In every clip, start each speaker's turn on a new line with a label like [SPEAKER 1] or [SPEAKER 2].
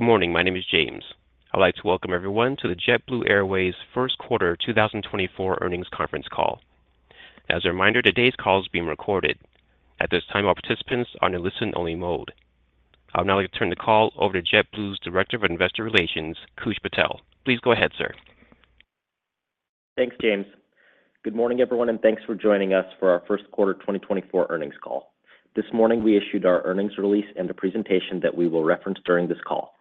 [SPEAKER 1] Good morning, my name is James. I'd like to welcome everyone to the JetBlue Airways first quarter 2024 earnings conference call. As a reminder, today's call is being recorded. At this time, all participants are in listen-only mode. I'll now turn the call over to JetBlue's Director of Investor Relations, Koosh Patel. Please go ahead, sir.
[SPEAKER 2] Thanks, James. Good morning, everyone, and thanks for joining us for our first quarter 2024 earnings call. This morning, we issued our earnings release and a presentation that we will reference during this call.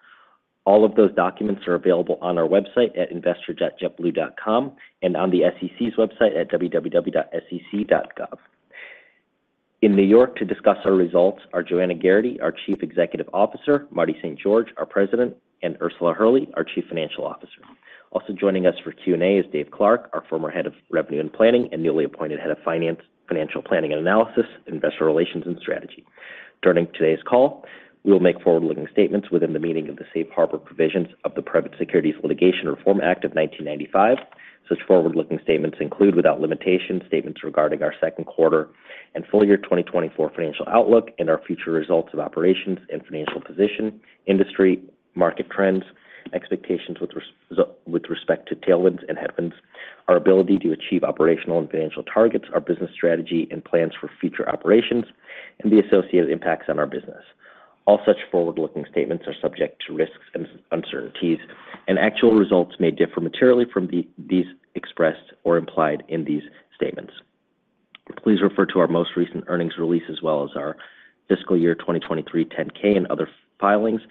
[SPEAKER 2] All of those documents are available on our website at investor.jetblue.com and on the SEC's website at www.sec.gov. In New York to discuss our results are Joanna Geraghty, our Chief Executive Officer, Marty St. George, our President, and Ursula Hurley, our Chief Financial Officer. Also joining us for Q&A is Dave Clark, our former Head of Revenue and Planning, and newly appointed Head of Finance, Financial Planning and Analysis, Investor Relations, and Strategy. During today's call, we will make forward-looking statements within the meaning of the Safe Harbor provisions of the Private Securities Litigation Reform Act of 1995. Such forward-looking statements include, without limitation, statements regarding our second quarter and full year 2024 financial outlook and our future results of operations and financial position, industry, market trends, expectations with respect to tailwinds and headwinds, our ability to achieve operational and financial targets, our business strategy and plans for future operations, and the associated impacts on our business. All such forward-looking statements are subject to risks and uncertainties, and actual results may differ materially from these expressed or implied in these statements. Please refer to our most recent earnings release, as well as our fiscal year 2023 10-K and other filings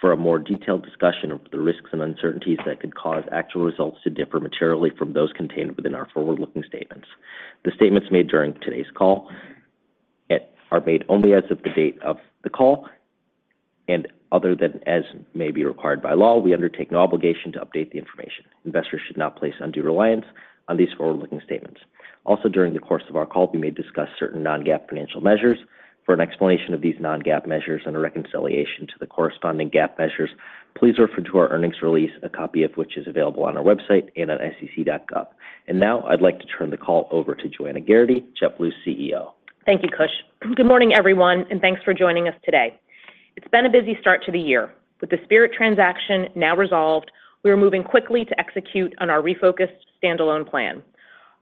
[SPEAKER 2] for a more detailed discussion of the risks and uncertainties that could cause actual results to differ materially from those contained within our forward-looking statements. The statements made during today's call are made only as of the date of the call, and other than as may be required by law, we undertake no obligation to update the information. Investors should not place undue reliance on these forward-looking statements. Also, during the course of our call, we may discuss certain non-GAAP financial measures. For an explanation of these non-GAAP measures and a reconciliation to the corresponding GAAP measures, please refer to our earnings release, a copy of which is available on our website and at sec.gov. And now I'd like to turn the call over to Joanna Geraghty, JetBlue's CEO.
[SPEAKER 3] Thank you, Koosh. Good morning, everyone, and thanks for joining us today. It's been a busy start to the year. With the Spirit transaction now resolved, we are moving quickly to execute on our refocused standalone plan.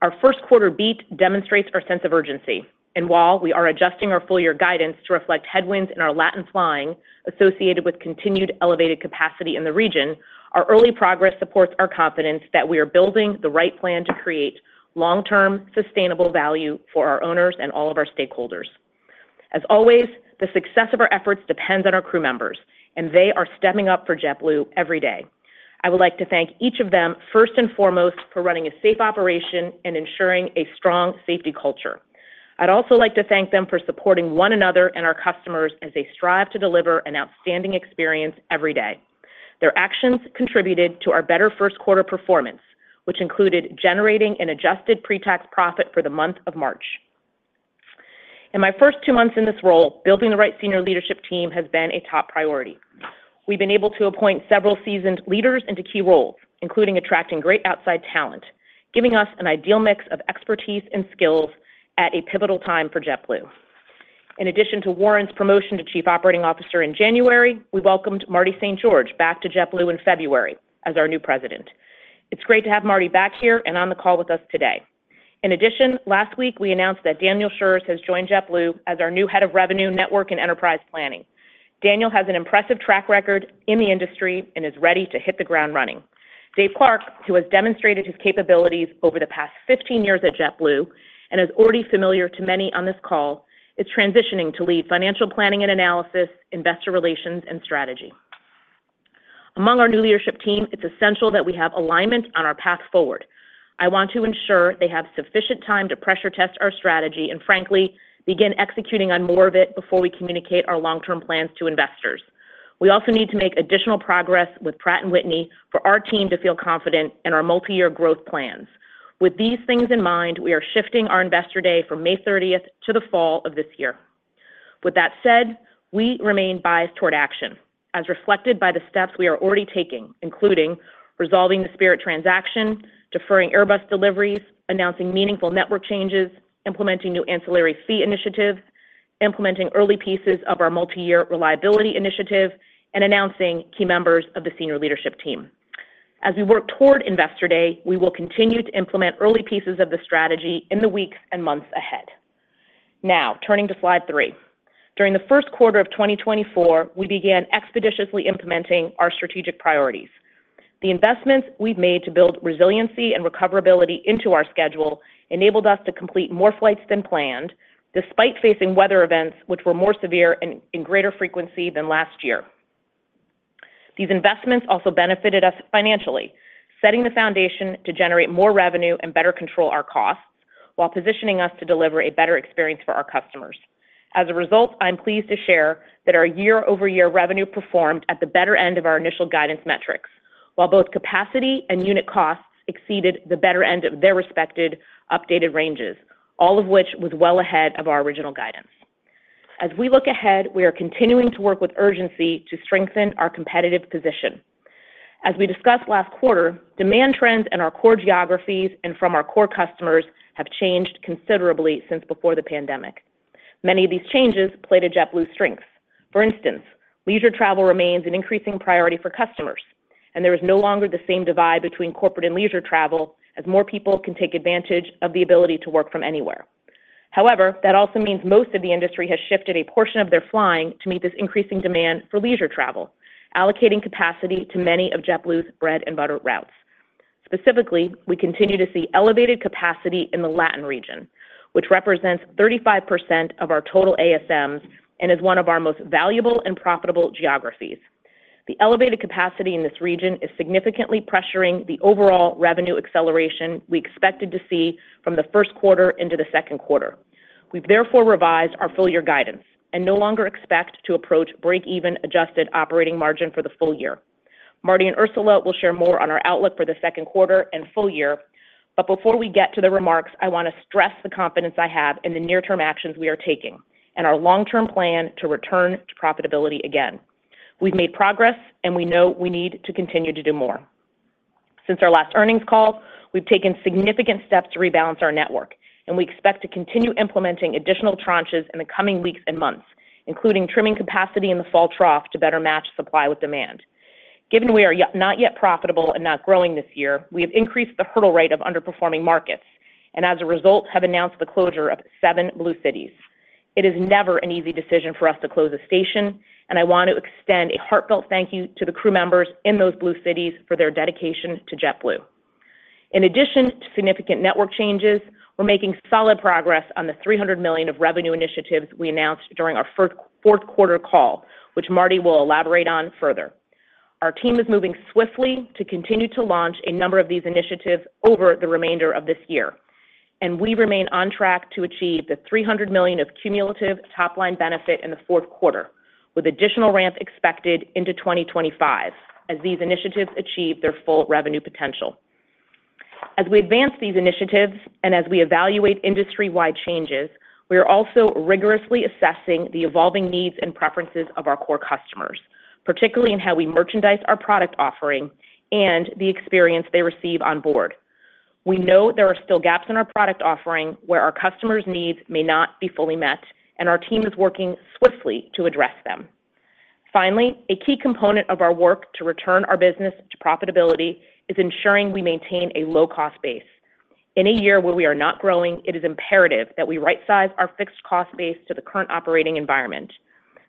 [SPEAKER 3] Our first quarter beat demonstrates our sense of urgency, and while we are adjusting our full year guidance to reflect headwinds in our Latin flying associated with continued elevated capacity in the region, our early progress supports our confidence that we are building the right plan to create long-term, sustainable value for our owners and all of our stakeholders. As always, the success of our efforts depends on our crew members, and they are stepping up for JetBlue every day. I would like to thank each of them, first and foremost, for running a safe operation and ensuring a strong safety culture. I'd also like to thank them for supporting one another and our customers as they strive to deliver an outstanding experience every day. Their actions contributed to our better first quarter performance, which included generating an adjusted pre-tax profit for the month of March. In my first two months in this role, building the right senior leadership team has been a top priority. We've been able to appoint several seasoned leaders into key roles, including attracting great outside talent, giving us an ideal mix of expertise and skills at a pivotal time for JetBlue. In addition to Warren's promotion to Chief Operating Officer in January, we welcomed Marty St. George back to JetBlue in February as our new president. It's great to have Marty back here and on the call with us today. In addition, last week, we announced that Daniel Shurz has joined JetBlue as our new Head of Revenue, Network and Enterprise Planning. Daniel has an impressive track record in the industry and is ready to hit the ground running. Dave Clark, who has demonstrated his capabilities over the past 15 years at JetBlue and is already familiar to many on this call, is transitioning to lead Financial Planning and Analysis, Investor Relations, and Strategy. Among our new leadership team, it's essential that we have alignment on our path forward. I want to ensure they have sufficient time to pressure test our strategy and frankly, begin executing on more of it before we communicate our long-term plans to investors. We also need to make additional progress with Pratt & Whitney for our team to feel confident in our multi-year growth plans. With these things in mind, we are shifting our Investor Day from May 30th to the fall of this year. With that said, we remain biased toward action, as reflected by the steps we are already taking, including resolving the Spirit transaction, deferring Airbus deliveries, announcing meaningful network changes, implementing new ancillary fee initiatives, implementing early pieces of our multi-year reliability initiative, and announcing key members of the senior leadership team. As we work toward Investor Day, we will continue to implement early pieces of the strategy in the weeks and months ahead. Now, turning to slide three. During the first quarter of 2024, we began expeditiously implementing our strategic priorities. The investments we've made to build resiliency and recoverability into our schedule enabled us to complete more flights than planned, despite facing weather events which were more severe and in greater frequency than last year. These investments also benefited us financially, setting the foundation to generate more revenue and better control our costs while positioning us to deliver a better experience for our customers. As a result, I'm pleased to share that our year-over-year revenue performed at the better end of our initial guidance metrics, while both capacity and unit costs exceeded the better end of their respective updated ranges, all of which was well ahead of our original guidance. As we look ahead, we are continuing to work with urgency to strengthen our competitive position.... As we discussed last quarter, demand trends in our core geographies and from our core customers have changed considerably since before the pandemic. Many of these changes play to JetBlue's strengths. For instance, leisure travel remains an increasing priority for customers, and there is no longer the same divide between corporate and leisure travel, as more people can take advantage of the ability to work from anywhere. However, that also means most of the industry has shifted a portion of their flying to meet this increasing demand for leisure travel, allocating capacity to many of JetBlue's bread-and-butter routes. Specifically, we continue to see elevated capacity in the Latin region, which represents 35% of our total ASMs and is one of our most valuable and profitable geographies. The elevated capacity in this region is significantly pressuring the overall revenue acceleration we expected to see from the first quarter into the second quarter. We've therefore revised our full year guidance and no longer expect to approach break-even adjusted operating margin for the full year. Marty and Ursula will share more on our outlook for the second quarter and full year. Before we get to the remarks, I want to stress the confidence I have in the near-term actions we are taking and our long-term plan to return to profitability again. We've made progress, and we know we need to continue to do more. Since our last earnings call, we've taken significant steps to rebalance our network, and we expect to continue implementing additional tranches in the coming weeks and months, including trimming capacity in the fall trough to better match supply with demand. Given we are not yet profitable and not growing this year, we have increased the hurdle rate of underperforming markets, and as a result, have announced the closure of seven Blue Cities. It is never an easy decision for us to close a station, and I want to extend a heartfelt thank you to the crew members in those Blue Cities for their dedication to JetBlue. In addition to significant network changes, we're making solid progress on the $300 million of revenue initiatives we announced during our fourth quarter call, which Marty will elaborate on further. Our team is moving swiftly to continue to launch a number of these initiatives over the remainder of this year, and we remain on track to achieve the $300 million of cumulative top-line benefit in the fourth quarter, with additional ramps expected into 2025 as these initiatives achieve their full revenue potential. As we advance these initiatives and as we evaluate industry-wide changes, we are also rigorously assessing the evolving needs and preferences of our core customers, particularly in how we merchandise our product offering and the experience they receive on board. We know there are still gaps in our product offering where our customers' needs may not be fully met, and our team is working swiftly to address them. Finally, a key component of our work to return our business to profitability is ensuring we maintain a low-cost base. In a year where we are not growing, it is imperative that we rightsize our fixed cost base to the current operating environment.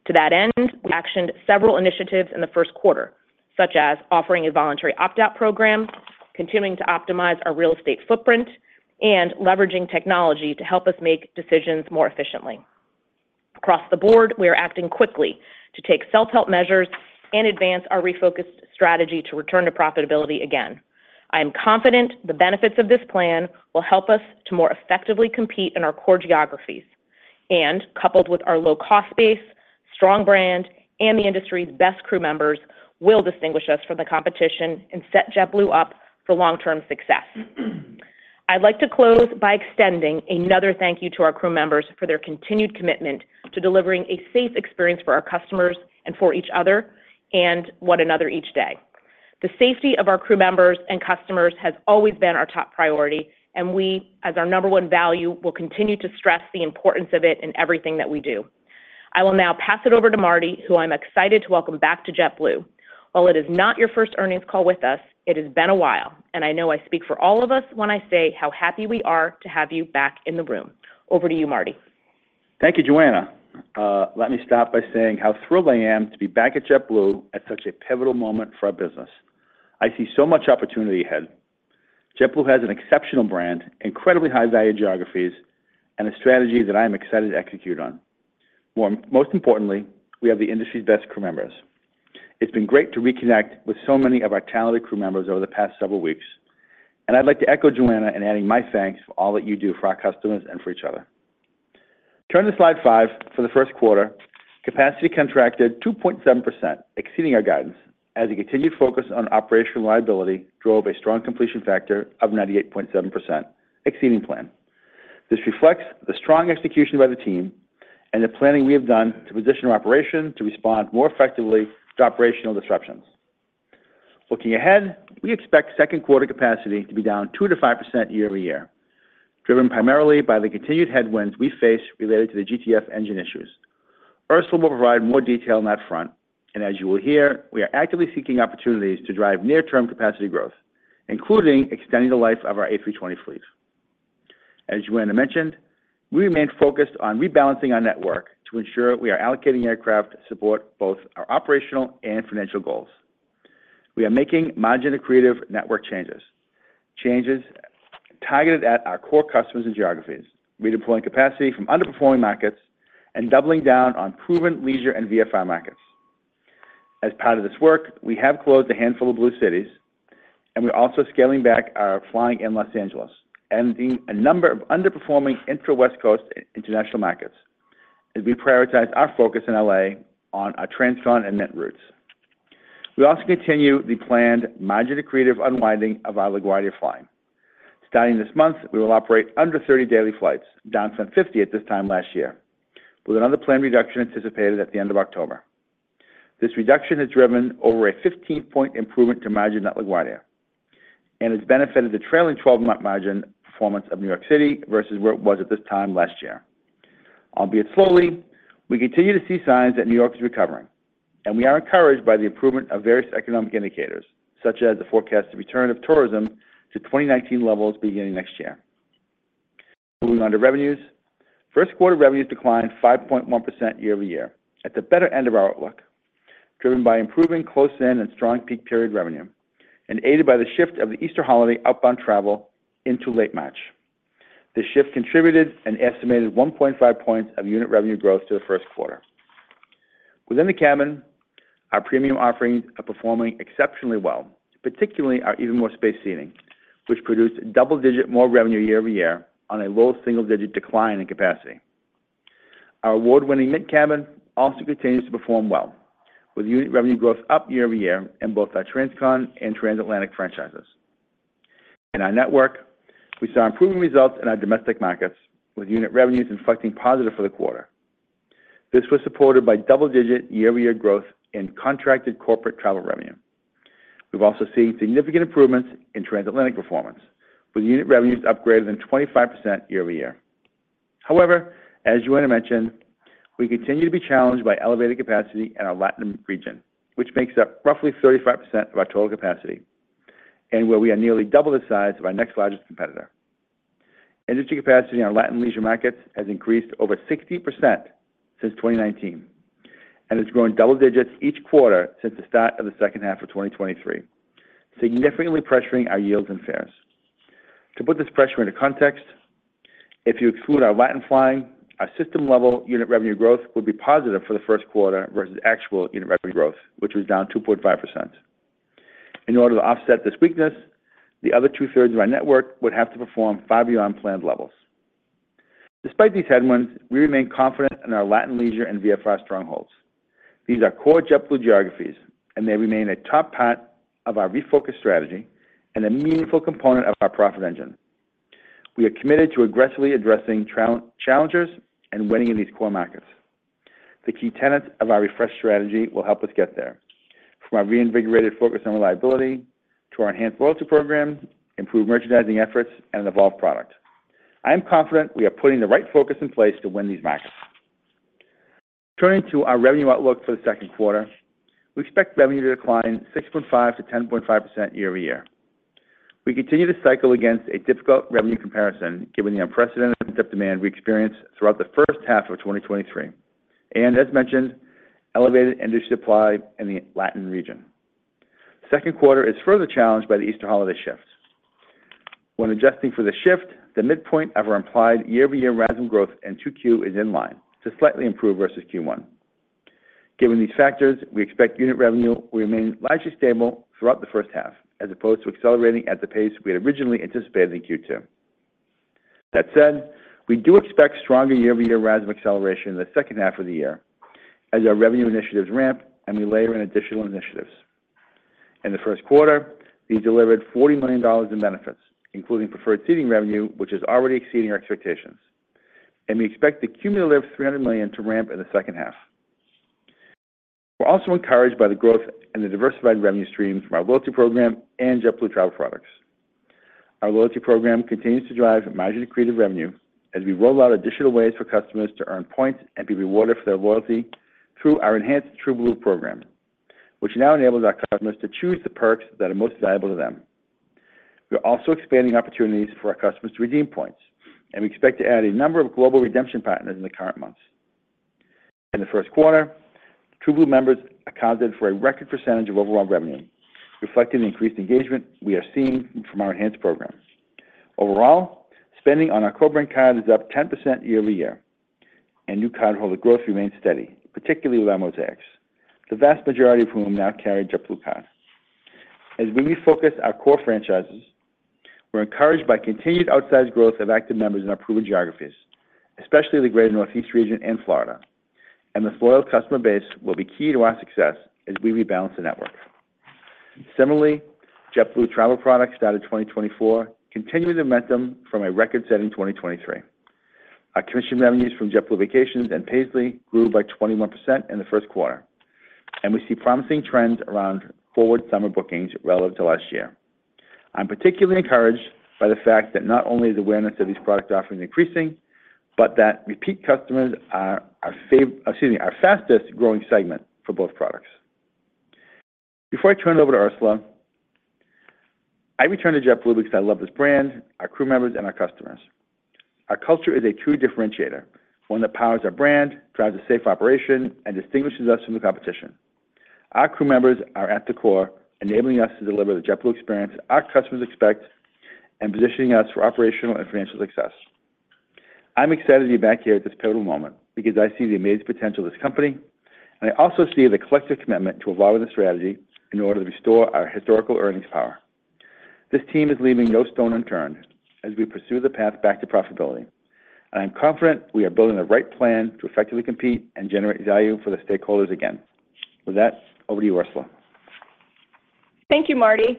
[SPEAKER 3] To that end, we actioned several initiatives in the first quarter, such as offering a voluntary opt-out program, continuing to optimize our real estate footprint, and leveraging technology to help us make decisions more efficiently. Across the board, we are acting quickly to take self-help measures and advance our refocused strategy to return to profitability again. I am confident the benefits of this plan will help us to more effectively compete in our core geographies, and coupled with our low-cost base, strong brand, and the industry's best crew members, will distinguish us from the competition and set JetBlue up for long-term success. I'd like to close by extending another thank you to our crew members for their continued commitment to delivering a safe experience for our customers and for each other, and one another each day. The safety of our crew members and customers has always been our top priority, and we, as our number one value, will continue to stress the importance of it in everything that we do. I will now pass it over to Marty, who I'm excited to welcome back to JetBlue. While it is not your first earnings call with us, it has been a while, and I know I speak for all of us when I say how happy we are to have you back in the room. Over to you, Marty.
[SPEAKER 4] Thank you, Joanna. Let me start by saying how thrilled I am to be back at JetBlue at such a pivotal moment for our business. I see so much opportunity ahead. JetBlue has an exceptional brand, incredibly high-value geographies, and a strategy that I am excited to execute on. Most importantly, we have the industry's best crew members. It's been great to reconnect with so many of our talented crew members over the past several weeks, and I'd like to echo Joanna in adding my thanks for all that you do for our customers and for each other. Turn to slide five for the first quarter. Capacity contracted 2.7%, exceeding our guidance, as a continued focus on operational reliability drove a strong completion factor of 98.7%, exceeding plan. This reflects the strong execution by the team and the planning we have done to position our operation to respond more effectively to operational disruptions. Looking ahead, we expect second quarter capacity to be down 2%-5% year-over-year, driven primarily by the continued headwinds we face related to the GTF engine issues. Ursula will provide more detail on that front, and as you will hear, we are actively seeking opportunities to drive near-term capacity growth, including extending the life of our A320 fleet. As Joanna mentioned, we remain focused on rebalancing our network to ensure we are allocating aircraft to support both our operational and financial goals. We are making margin and creative network changes, changes targeted at our core customers and geographies, redeploying capacity from underperforming markets and doubling down on proven leisure and VFR markets. As part of this work, we have closed a handful of Blue Cities, and we're also scaling back our flying in Los Angeles and a number of underperforming intra-West Coast international markets as we prioritize our focus in LA on our transcon and Mint routes. We also continue the planned margin accretive unwinding of our LaGuardia flying. Starting this month, we will operate under 30 daily flights, down from 50 at this time last year, with another planned reduction anticipated at the end of October. This reduction has driven over a 15-point improvement to margin at LaGuardia and has benefited the trailing 12-month margin performance of New York City versus where it was at this time last year. Albeit slowly, we continue to see signs that New York is recovering, and we are encouraged by the improvement of various economic indicators, such as the forecasted return of tourism to 2019 levels beginning next year. Moving on to revenues. First quarter revenues declined 5.1% year-over-year, at the better end of our outlook, driven by improving close-in and strong peak period revenue and aided by the shift of the Easter holiday outbound travel into late March. This shift contributed an estimated 1.5 points of unit revenue growth to the first quarter. Within the cabin, our premium offerings are performing exceptionally well, particularly our Even More Space seating, which produced double-digit more revenue year-over-year on a low single-digit decline in capacity. Our award-winning mid cabin also continues to perform well, with unit revenue growth up year-over-year in both our transcon and transatlantic franchises. In our network, we saw improving results in our domestic markets, with unit revenues inflecting positive for the quarter. This was supported by double-digit year-over-year growth in contracted corporate travel revenue. We've also seen significant improvements in transatlantic performance, with unit revenues up greater than 25% year-over-year. However, as Joanna mentioned, we continue to be challenged by elevated capacity in our Latin region, which makes up roughly 35% of our total capacity and where we are nearly double the size of our next largest competitor. Industry capacity in our Latin leisure markets has increased over 60% since 2019 and is growing double digits each quarter since the start of the second half of 2023, significantly pressuring our yields and fares. To put this pressure into context, if you exclude our Latin flying, our system-level unit revenue growth would be positive for the first quarter versus actual unit revenue growth, which was down 2.5%. In order to offset this weakness, the other two-thirds of our network would have to perform 50% over planned levels. Despite these headwinds, we remain confident in our Latin leisure and VFR strongholds. These are core JetBlue geographies, and they remain a top part of our refocused strategy and a meaningful component of our profit engine. We are committed to aggressively addressing challenges and winning in these core markets. The key tenets of our refreshed strategy will help us get there, from our reinvigorated focus on reliability to our enhanced loyalty program, improved merchandising efforts, and an evolved product. I am confident we are putting the right focus in place to win these markets. Turning to our revenue outlook for the second quarter, we expect revenue to decline 6.5%-10.5% year-over-year. We continue to cycle against a difficult revenue comparison, given the unprecedented demand we experienced throughout the first half of 2023, and as mentioned, elevated industry supply in the Latin region. Second quarter is further challenged by the Easter holiday shifts. When adjusting for the shift, the midpoint of our implied year-over-year RASM growth in 2Q is in line to slightly improve versus Q1. Given these factors, we expect unit revenue will remain largely stable throughout the first half, as opposed to accelerating at the pace we had originally anticipated in Q2. That said, we do expect stronger year-over-year RASM acceleration in the second half of the year as our revenue initiatives ramp and we layer in additional initiatives. In the first quarter, we delivered $40 million in benefits, including preferred seating revenue, which is already exceeding our expectations, and we expect the cumulative $300 million to ramp in the second half. We're also encouraged by the growth in the diversified revenue stream from our loyalty program and JetBlue Travel Products. Our loyalty program continues to drive margin accretive revenue as we roll out additional ways for customers to earn points and be rewarded for their loyalty through our enhanced TrueBlue program, which now enables our customers to choose the perks that are most valuable to them. We are also expanding opportunities for our customers to redeem points, and we expect to add a number of global redemption partners in the current months. In the first quarter, TrueBlue members accounted for a record percentage of overall revenue, reflecting the increased engagement we are seeing from our enhanced program. Overall, spending on our co-brand card is up 10% year-over-year, and new cardholder growth remains steady, particularly with Mosaics, the vast majority of whom now carry JetBlue Card. As we refocus our core franchises, we're encouraged by continued outsized growth of active members in our proven geographies, especially the Greater Northeast region and Florida, and the loyal customer base will be key to our success as we rebalance the JetBlue Travel Products started 2024, continuing the momentum from a record-setting 2023. Our commission revenues from JetBlue Vacations and Paisly grew by 21% in the first quarter, and we see promising trends around forward summer bookings relative to last year. I'm particularly encouraged by the fact that not only is awareness of these product offerings increasing, but that repeat customers are our fastest growing segment for both products. Before I turn it over to Ursula, I returned to JetBlue because I love this brand, our crew members, and our customers. Our culture is a true differentiator, one that powers our brand, drives a safe operation, and distinguishes us from the competition. Our crew members are at the core, enabling us to deliver the JetBlue experience our customers expect and positioning us for operational and financial success. I'm excited to be back here at this pivotal moment because I see the amazing potential of this company, and I also see the collective commitment to evolving the strategy in order to restore our historical earnings power. This team is leaving no stone unturned as we pursue the path back to profitability, and I'm confident we are building the right plan to effectively compete and generate value for the stakeholders again. With that, over to you, Ursula?
[SPEAKER 5] Thank you, Marty.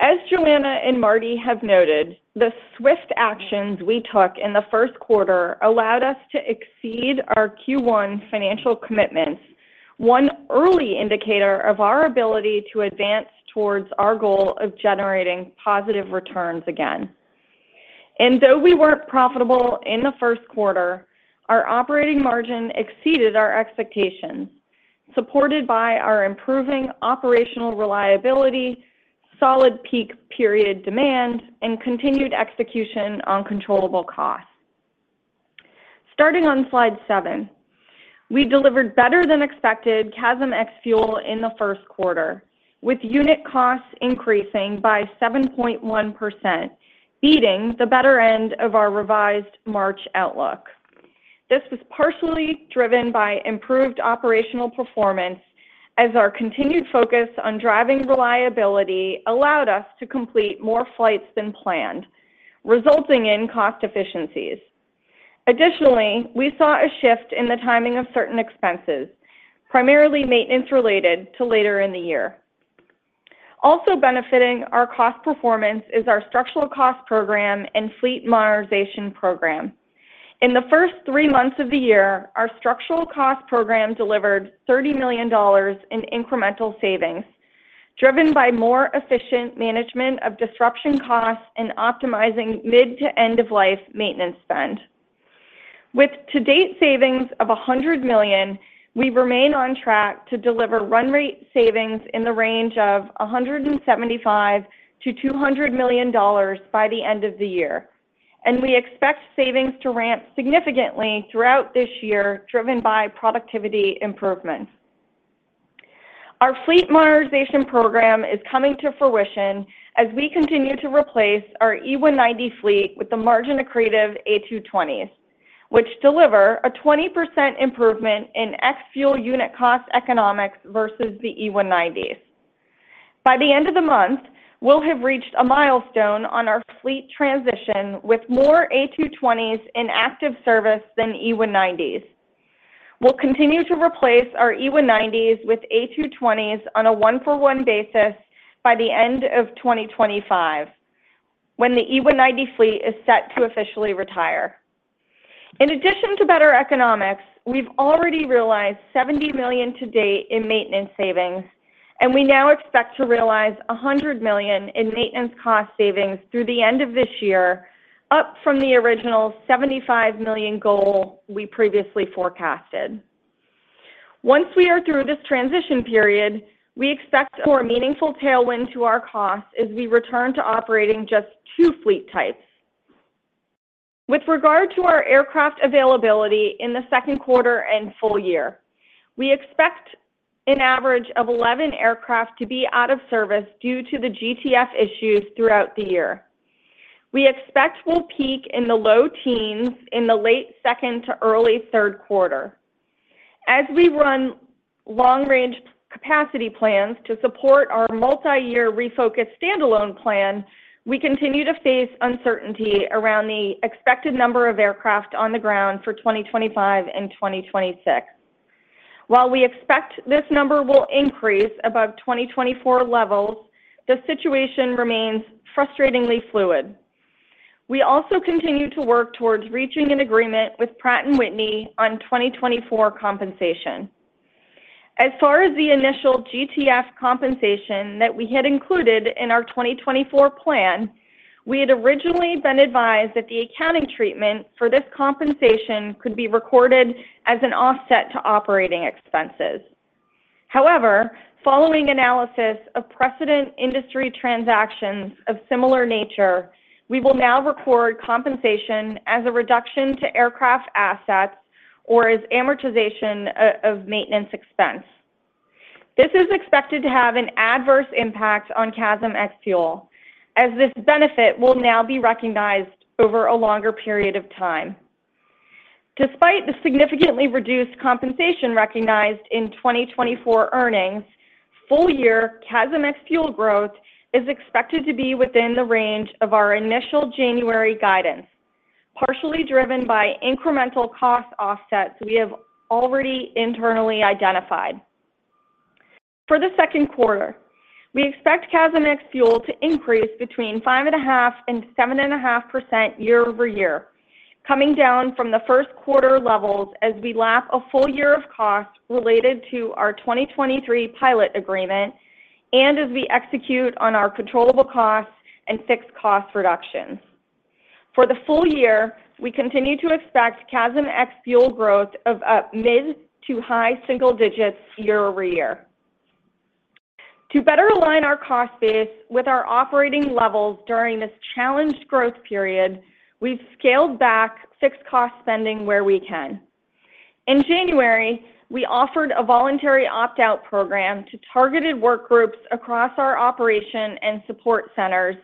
[SPEAKER 5] As Joanna and Marty have noted, the swift actions we took in the first quarter allowed us to exceed our Q1 financial commitments, one early indicator of our ability to advance towards our goal of generating positive returns again. Though we weren't profitable in the first quarter, our operating margin exceeded our expectations, supported by our improving operational reliability, solid peak period demand, and continued execution on controllable costs. Starting on slide seven, we delivered better-than-expected CASM ex-fuel in the first quarter, with unit costs increasing by 7.1%, beating the better end of our revised March outlook. This was partially driven by improved operational performance, as our continued focus on driving reliability allowed us to complete more flights than planned, resulting in cost efficiencies. Additionally, we saw a shift in the timing of certain expenses, primarily maintenance-related, to later in the year. Also benefiting our cost performance is our structural cost program and fleet modernization program. In the first three months of the year, our structural cost program delivered $30 million in incremental savings, driven by more efficient management of disruption costs and optimizing mid-to-end-of-life maintenance spend. With to-date savings of $100 million, we remain on track to deliver run rate savings in the range of $175 million-$200 million by the end of the year, and we expect savings to ramp significantly throughout this year, driven by productivity improvements. Our fleet modernization program is coming to fruition as we continue to replace our E190 fleet with the margin-accretive A220s, which deliver a 20% improvement in ex-fuel unit cost economics versus the E190s. By the end of the month, we'll have reached a milestone on our fleet transition with more A220s in active service than E190s. We'll continue to replace our E190s with A220s on a one-for-one basis by the end of 2025, when the E190 fleet is set to officially retire. In addition to better economics, we've already realized $70 million to date in maintenance savings, and we now expect to realize $100 million in maintenance cost savings through the end of this year, up from the original $75 million goal we previously forecasted. Once we are through this transition period, we expect more meaningful tailwind to our costs as we return to operating just two fleet types. With regard to our aircraft availability in the second quarter and full year, we expect an average of 11 aircraft to be out of service due to the GTF issues throughout the year. We expect we'll peak in the low teens in the late second to early third quarter. As we run long-range capacity plans to support our multi-year refocused standalone plan, we continue to face uncertainty around the expected number of aircraft on the ground for 2025 and 2026. While we expect this number will increase above 2024 levels, the situation remains frustratingly fluid. We also continue to work towards reaching an agreement with Pratt & Whitney on 2024 compensation. As far as the initial GTF compensation that we had included in our 2024 plan, we had originally been advised that the accounting treatment for this compensation could be recorded as an offset to operating expenses. However, following analysis of precedent industry transactions of similar nature, we will now record compensation as a reduction to aircraft assets or as amortization of maintenance expense. This is expected to have an adverse impact on CASM ex-fuel, as this benefit will now be recognized over a longer period of time. Despite the significantly reduced compensation recognized in 2024 earnings, full-year CASM ex-fuel growth is expected to be within the range of our initial January guidance, partially driven by incremental cost offsets we have already internally identified. For the second quarter, we expect CASM ex-fuel to increase between 5.5%-7.5% year-over-year, coming down from the first quarter levels as we lap a full year of costs related to our 2023 pilot agreement and as we execute on our controllable costs and fixed cost reductions. For the full year, we continue to expect CASM ex-fuel growth of mid- to high-single-digits year-over-year. To better align our cost base with our operating levels during this challenged growth period, we've scaled back fixed cost spending where we can. In January, we offered a voluntary opt-out program to targeted work groups across our operation and support centers,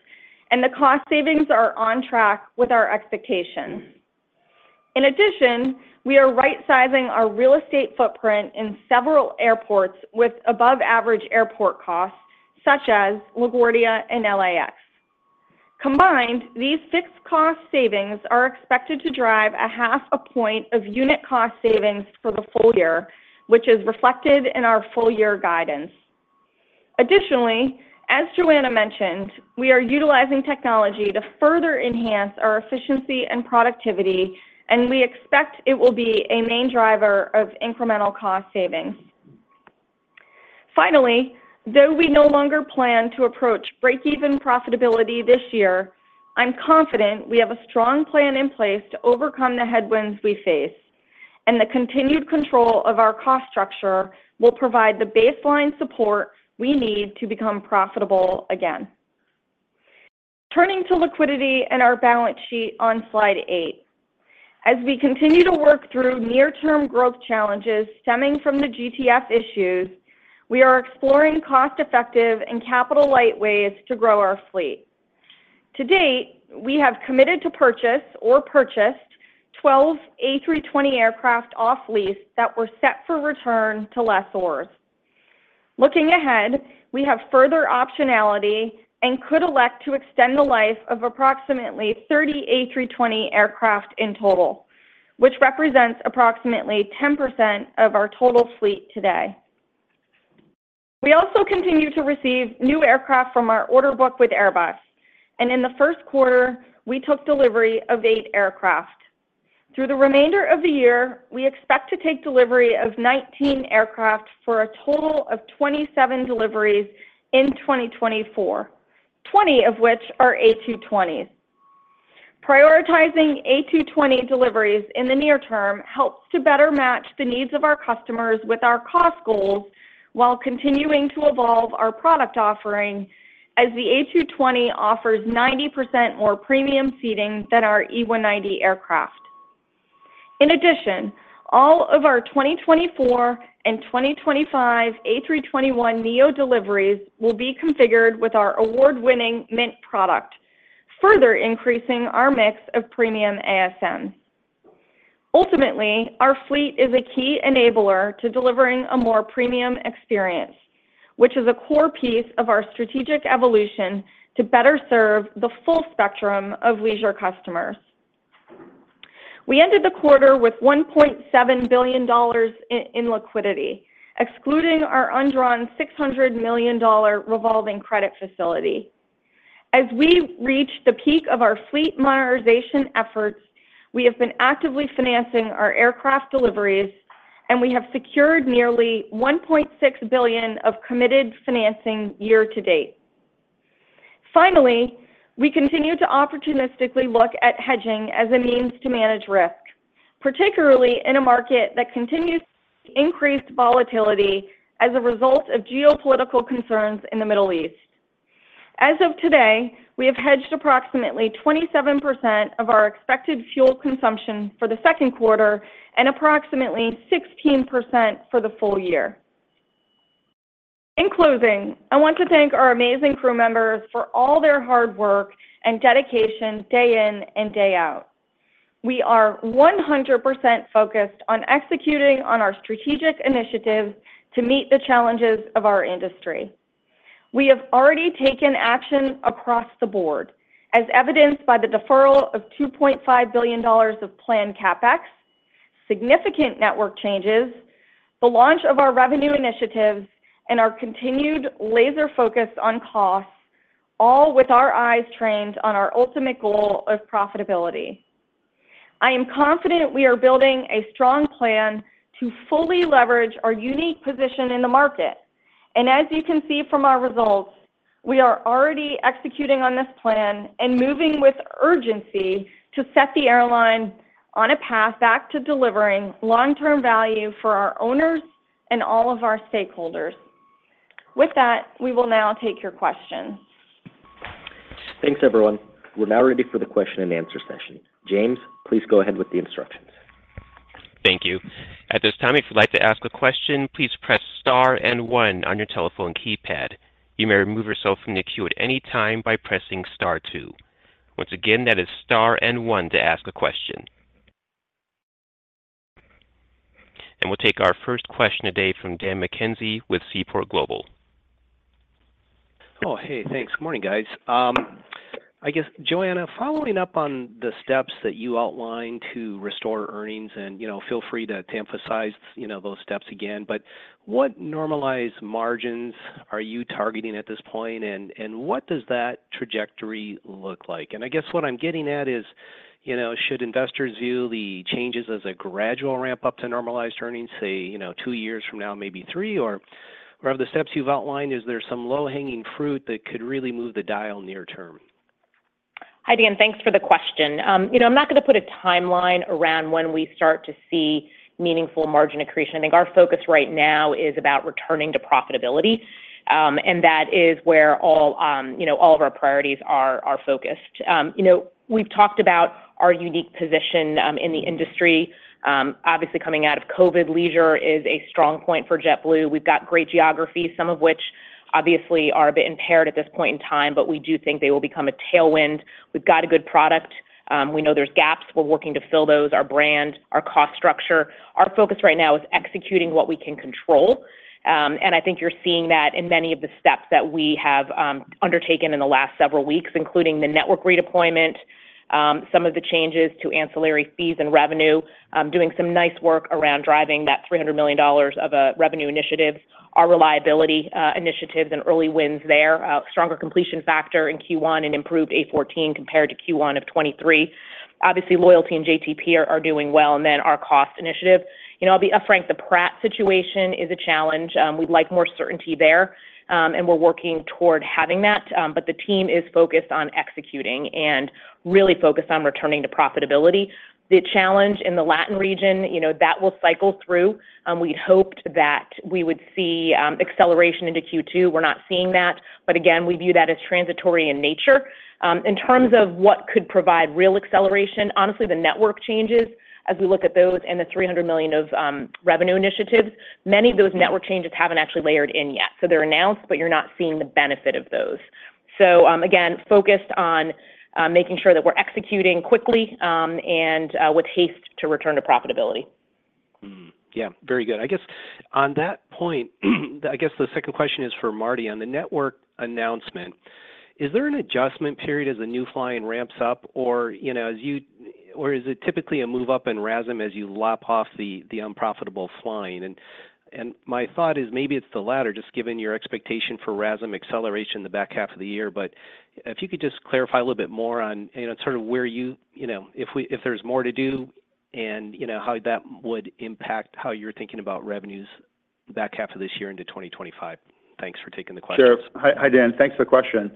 [SPEAKER 5] and the cost savings are on track with our expectations. In addition, we are right-sizing our real estate footprint in several airports with above-average airport costs, such as LaGuardia and LAX. Combined, these fixed cost savings are expected to drive 0.5 point of unit cost savings for the full year, which is reflected in our full year guidance. Additionally, as Joanna mentioned, we are utilizing technology to further enhance our efficiency and productivity, and we expect it will be a main driver of incremental cost savings. Finally, though we no longer plan to approach breakeven profitability this year, I'm confident we have a strong plan in place to overcome the headwinds we face, and the continued control of our cost structure will provide the baseline support we need to become profitable again. Turning to liquidity and our balance sheet on slide eight. As we continue to work through near-term growth challenges stemming from the GTF issues, we are exploring cost-effective and capital-light ways to grow our fleet. To date, we have committed to purchase or purchased 12 A320 aircraft off lease that were set for return to lessors. Looking ahead, we have further optionality and could elect to extend the life of approximately 30 A320 aircraft in total, which represents approximately 10% of our total fleet today. We also continue to receive new aircraft from our order book with Airbus, and in the first quarter, we took delivery of eight aircraft. Through the remainder of the year, we expect to take delivery of 19 aircraft for a total of 27 deliveries in 2024, 20 of which are A220s. Prioritizing A220 deliveries in the near term helps to better match the needs of our customers with our cost goals, while continuing to evolve our product offering as the A220 offers 90% more premium seating than our E190 aircraft. In addition, all of our 2024 and 2025 A321neo deliveries will be configured with our award-winning Mint product, further increasing our mix of premium ASM. Ultimately, our fleet is a key enabler to delivering a more premium experience, which is a core piece of our strategic evolution to better serve the full spectrum of leisure customers. We ended the quarter with $1.7 billion in liquidity, excluding our undrawn $600 million-dollar revolving credit facility. As we reach the peak of our fleet modernization efforts, we have been actively financing our aircraft deliveries, and we have secured nearly $1.6 billion of committed financing year to date. Finally, we continue to opportunistically look at hedging as a means to manage risk, particularly in a market that continues increased volatility as a result of geopolitical concerns in the Middle East. As of today, we have hedged approximately 27% of our expected fuel consumption for the second quarter and approximately 16% for the full year. In closing, I want to thank our amazing crew members for all their hard work and dedication day in and day out. We are 100% focused on executing on our strategic initiatives to meet the challenges of our industry. We have already taken action across the board, as evidenced by the deferral of $2.5 billion of planned CapEx, significant network changes, the launch of our revenue initiatives, and our continued laser focus on costs, all with our eyes trained on our ultimate goal of profitability. I am confident we are building a strong plan to fully leverage our unique position in the market, and as you can see from our results, we are already executing on this plan and moving with urgency to set the airline on a path back to delivering long-term value for our owners and all of our stakeholders. With that, we will now take your questions.
[SPEAKER 2] Thanks, everyone. We're now ready for the question and answer session. James, please go ahead with the instructions.
[SPEAKER 1] Thank you. At this time, if you'd like to ask a question, please press star and one on your telephone keypad. You may remove yourself from the queue at any time by pressing star two. Once again, that is star and one to ask a question. We'll take our first question today from Dan McKenzie with Seaport Global.
[SPEAKER 6] Oh, hey, thanks. Good morning, guys. I guess, Joanna, following up on the steps that you outlined to restore earnings, and, you know, feel free to, to emphasize, you know, those steps again, but what normalized margins are you targeting at this point? And, and what does that trajectory look like? And I guess what I'm getting at is, you know, should investors view the changes as a gradual ramp-up to normalized earnings, say, you know, two years from now, maybe three? Or are the steps you've outlined, is there some low-hanging fruit that could really move the dial near term?
[SPEAKER 3] Hi, Dan. Thanks for the question. You know, I'm not going to put a timeline around when we start to see meaningful margin accretion. I think our focus right now is about returning to profitability, and that is where all, you know, all of our priorities are, are focused. You know, we've talked about our unique position in the industry. Obviously, coming out of COVID, leisure is a strong point for JetBlue. We've got great geography, some of which obviously are a bit impaired at this point in time, but we do think they will become a tailwind. We've got a good product. We know there's gaps. We're working to fill those, our brand, our cost structure. Our focus right now is executing what we can control, and I think you're seeing that in many of the steps that we have undertaken in the last several weeks, including the network redeployment, some of the changes to ancillary fees and revenue, doing some nice work around driving that $300 million of revenue initiatives, our reliability initiatives and early wins there. Stronger completion factor in Q1 and improved A14 compared to Q1 of 2023. Obviously, loyalty and JTP are doing well, and then our cost initiative. You know, I'll be upfront, the Pratt situation is a challenge, we'd like more certainty there, and we're working toward having that, but the team is focused on executing and really focused on returning to profitability. The challenge in the Latin region, you know, that will cycle through. We hoped that we would see acceleration into Q2. We're not seeing that, but again, we view that as transitory in nature. In terms of what could provide real acceleration, honestly, the network changes as we look at those and the $300 million of revenue initiatives, many of those network changes haven't actually layered in yet. So they're announced, but you're not seeing the benefit of those. So, again, focused on making sure that we're executing quickly, and with haste to return to profitability.
[SPEAKER 6] Mm-hmm. Yeah, very good. I guess on that point, I guess the second question is for Marty. On the network announcement, is there an adjustment period as the new flying ramps up? Or, you know, or is it typically a move up in RASM as you lop off the unprofitable flying? And my thought is maybe it's the latter, just given your expectation for RASM acceleration in the back half of the year. But if you could just clarify a little bit more on, you know, sort of where you... You know, if there's more to do, and, you know, how that would impact how you're thinking about revenues back half of this year into 2025. Thanks for taking the question.
[SPEAKER 4] Sure. Hi, hi, Dan. Thanks for the question.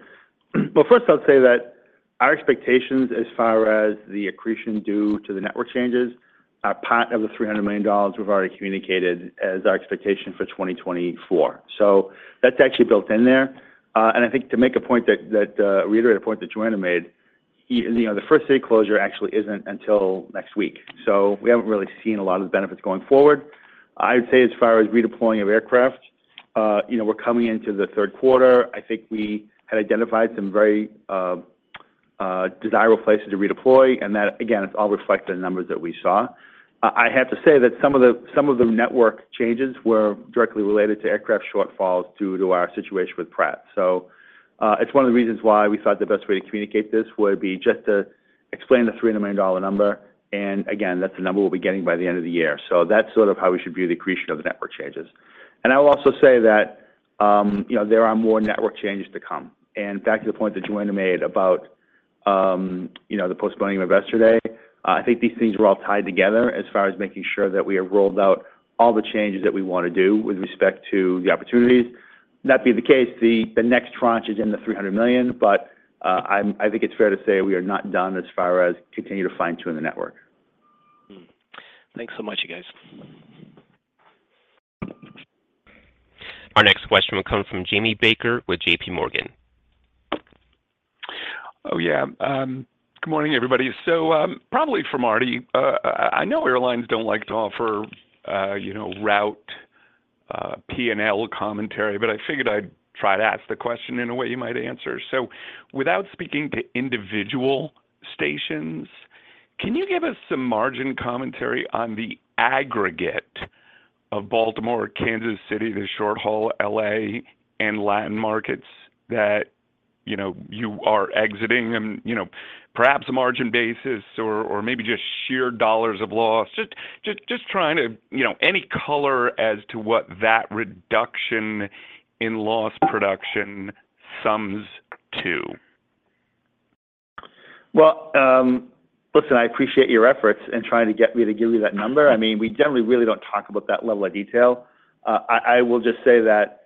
[SPEAKER 4] Well, first, I'd say that our expectations as far as the accretion due to the network changes are part of the $300 million we've already communicated as our expectation for 2024. So that's actually built in there. And I think to make a point to reiterate a point that Joanna made, you know, the first day closure actually isn't until next week, so we haven't really seen a lot of the benefits going forward. I would say as far as redeploying of aircraft, you know, we're coming into the third quarter. I think we had identified some very desirable places to redeploy, and that, again, it's all reflected in the numbers that we saw. I have to say that some of the network changes were directly related to aircraft shortfalls due to our situation with Pratt. So, it's one of the reasons why we thought the best way to communicate this would be just to explain the $300 million number, and again, that's the number we'll be getting by the end of the year. So that's sort of how we should view the accretion of the network changes. And I will also say that, you know, there are more network changes to come. And back to the point that Joanna made about, you know, the postponing of Investor Day, I think these things were all tied together as far as making sure that we have rolled out all the changes that we want to do with respect to the opportunities. That being the case, the next tranche is in the $300 million, but I think it's fair to say we are not done as far as continuing to fine-tune the network.
[SPEAKER 6] Mm-hmm. Thanks so much, you guys.
[SPEAKER 1] Our next question will come from Jamie Baker with JPMorgan.
[SPEAKER 7] Oh, yeah. Good morning, everybody. So, probably for Marty, I know airlines don't like to offer, you know, route, PNL commentary, but I figured I'd try to ask the question in a way you might answer. So without speaking to individual stations, can you give us some margin commentary on the aggregate of Baltimore, Kansas City, the short haul, LA, and Latin markets that, you know, you are exiting and, you know, perhaps margin basis or, or maybe just sheer dollars of loss? Just trying to... You know, any color as to what that reduction in loss production sums to?
[SPEAKER 4] Well, listen, I appreciate your efforts in trying to get me to give you that number. I mean, we generally really don't talk about that level of detail. I will just say that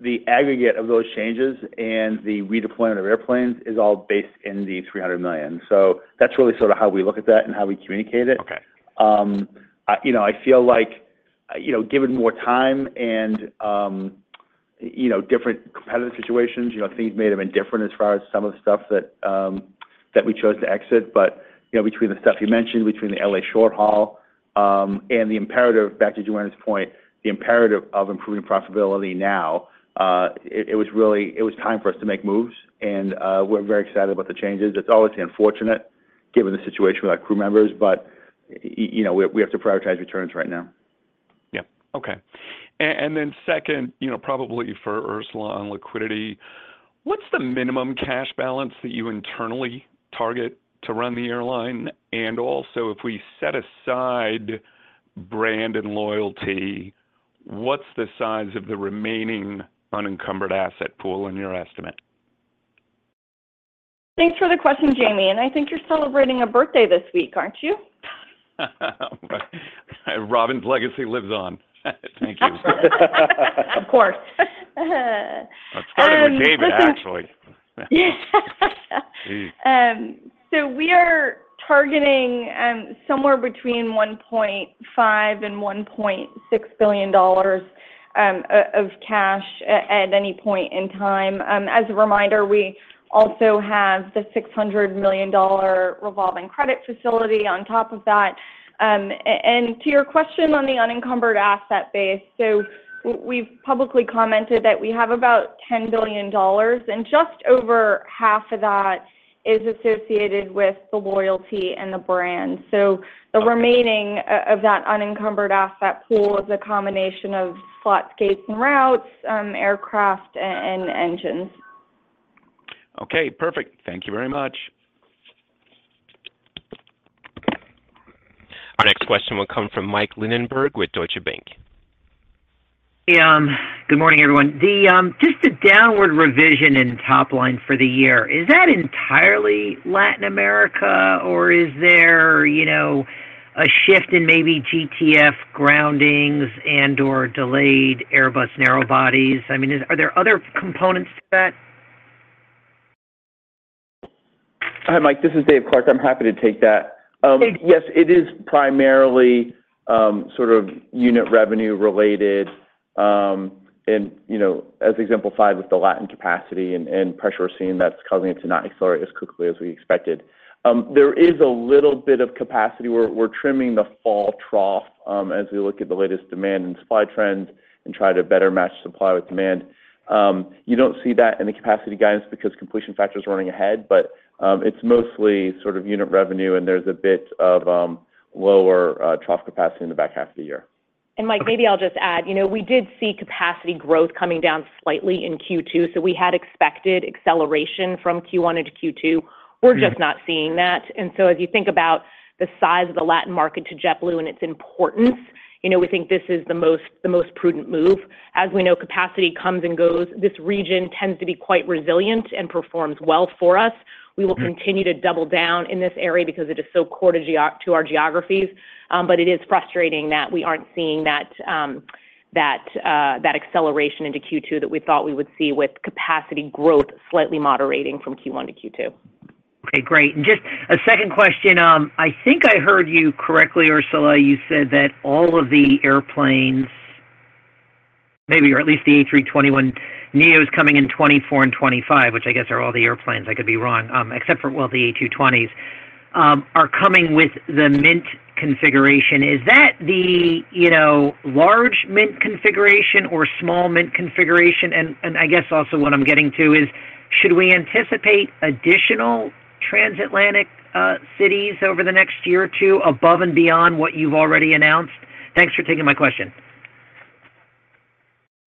[SPEAKER 4] the aggregate of those changes and the redeployment of airplanes is all based in the $300 million. So that's really sort of how we look at that and how we communicate it.
[SPEAKER 7] Okay.
[SPEAKER 4] You know, I feel like, you know, given more time and, you know, different competitive situations, you know, things may have been different as far as some of the stuff that we chose to exit. But, you know, between the stuff you mentioned, between the LA short haul, and the imperative, back to Joanna's point, the imperative of improving profitability now, it was really, it was time for us to make moves, and, we're very excited about the changes. It's always unfortunate, given the situation with our crew members, but, you know, we have to prioritize returns right now.
[SPEAKER 7] Yeah. Okay. And then second, you know, probably for Ursula on liquidity, what's the minimum cash balance that you internally target to run the airline? And also, if we set aside brand and loyalty, what's the size of the remaining unencumbered asset pool in your estimate?
[SPEAKER 5] Thanks for the question, Jamie, and I think you're celebrating a birthday this week, aren't you?
[SPEAKER 7] Robin's legacy lives on. Thank you.
[SPEAKER 5] Of course.
[SPEAKER 7] It started with David, actually.
[SPEAKER 5] Yeah. So we are targeting somewhere between $1.5 billion and $1.6 billion of cash at any point in time. As a reminder, we also have the $600 million revolving credit facility on top of that. And to your question on the unencumbered asset base, so we've publicly commented that we have about $10 billion, and just over half of that is associated with the loyalty and the brand.
[SPEAKER 7] Okay.
[SPEAKER 5] So the remaining of that unencumbered asset pool is a combination of slot gates and routes, aircraft and engines.
[SPEAKER 7] Okay, perfect. Thank you very much.
[SPEAKER 1] Next question will come from Mike Linenberg with Deutsche Bank.
[SPEAKER 8] Yeah, good morning, everyone. Just the downward revision in top line for the year, is that entirely Latin America, or is there, you know, a shift in maybe GTF groundings and/or delayed Airbus narrow bodies? I mean, are there other components to that?
[SPEAKER 9] Hi, Mike, this is Dave Clark. I'm happy to take that. Yes, it is primarily, sort of unit revenue related, and, you know, as exemplified with the Latin capacity and pressure we're seeing, that's causing it to not accelerate as quickly as we expected. There is a little bit of capacity where we're trimming the fall trough, as we look at the latest demand and supply trends and try to better match supply with demand. You don't see that in the capacity guidance because completion factor is running ahead, but, it's mostly sort of unit revenue, and there's a bit of, lower, trough capacity in the back half of the year.
[SPEAKER 3] And Mike, maybe I'll just add, you know, we did see capacity growth coming down slightly in Q2, so we had expected acceleration from Q1 into Q2. We're just not seeing that. And so as you think about the size of the Latin market to JetBlue and its importance, you know, we think this is the most prudent move. As we know, capacity comes and goes. This region tends to be quite resilient and performs well for us. We will continue to double down in this area because it is so core to our geographies, but it is frustrating that we aren't seeing that acceleration into Q2 that we thought we would see with capacity growth slightly moderating from Q1 to Q2.
[SPEAKER 8] Okay, great. And just a second question, I think I heard you correctly, Ursula, you said that all of the airplanes, maybe, or at least the A321neos coming in 2024 and 2025, which I guess are all the airplanes, I could be wrong, except for, well, the A220s, are coming with the Mint configuration. Is that the, you know, large Mint configuration or small Mint configuration? And I guess also what I'm getting to is, should we anticipate additional transatlantic cities over the next year or two, above and beyond what you've already announced? Thanks for taking my question.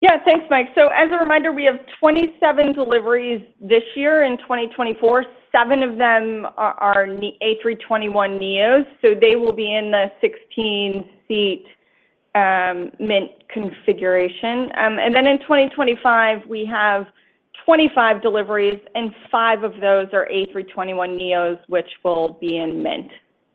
[SPEAKER 5] Yeah, thanks, Mike. So as a reminder, we have 27 deliveries this year in 2024. Seven of them are A321neos, so they will be in the 16-seat Mint configuration. And then in 2025, we have 25 deliveries, and five of those are A321neos, which will be in Mint.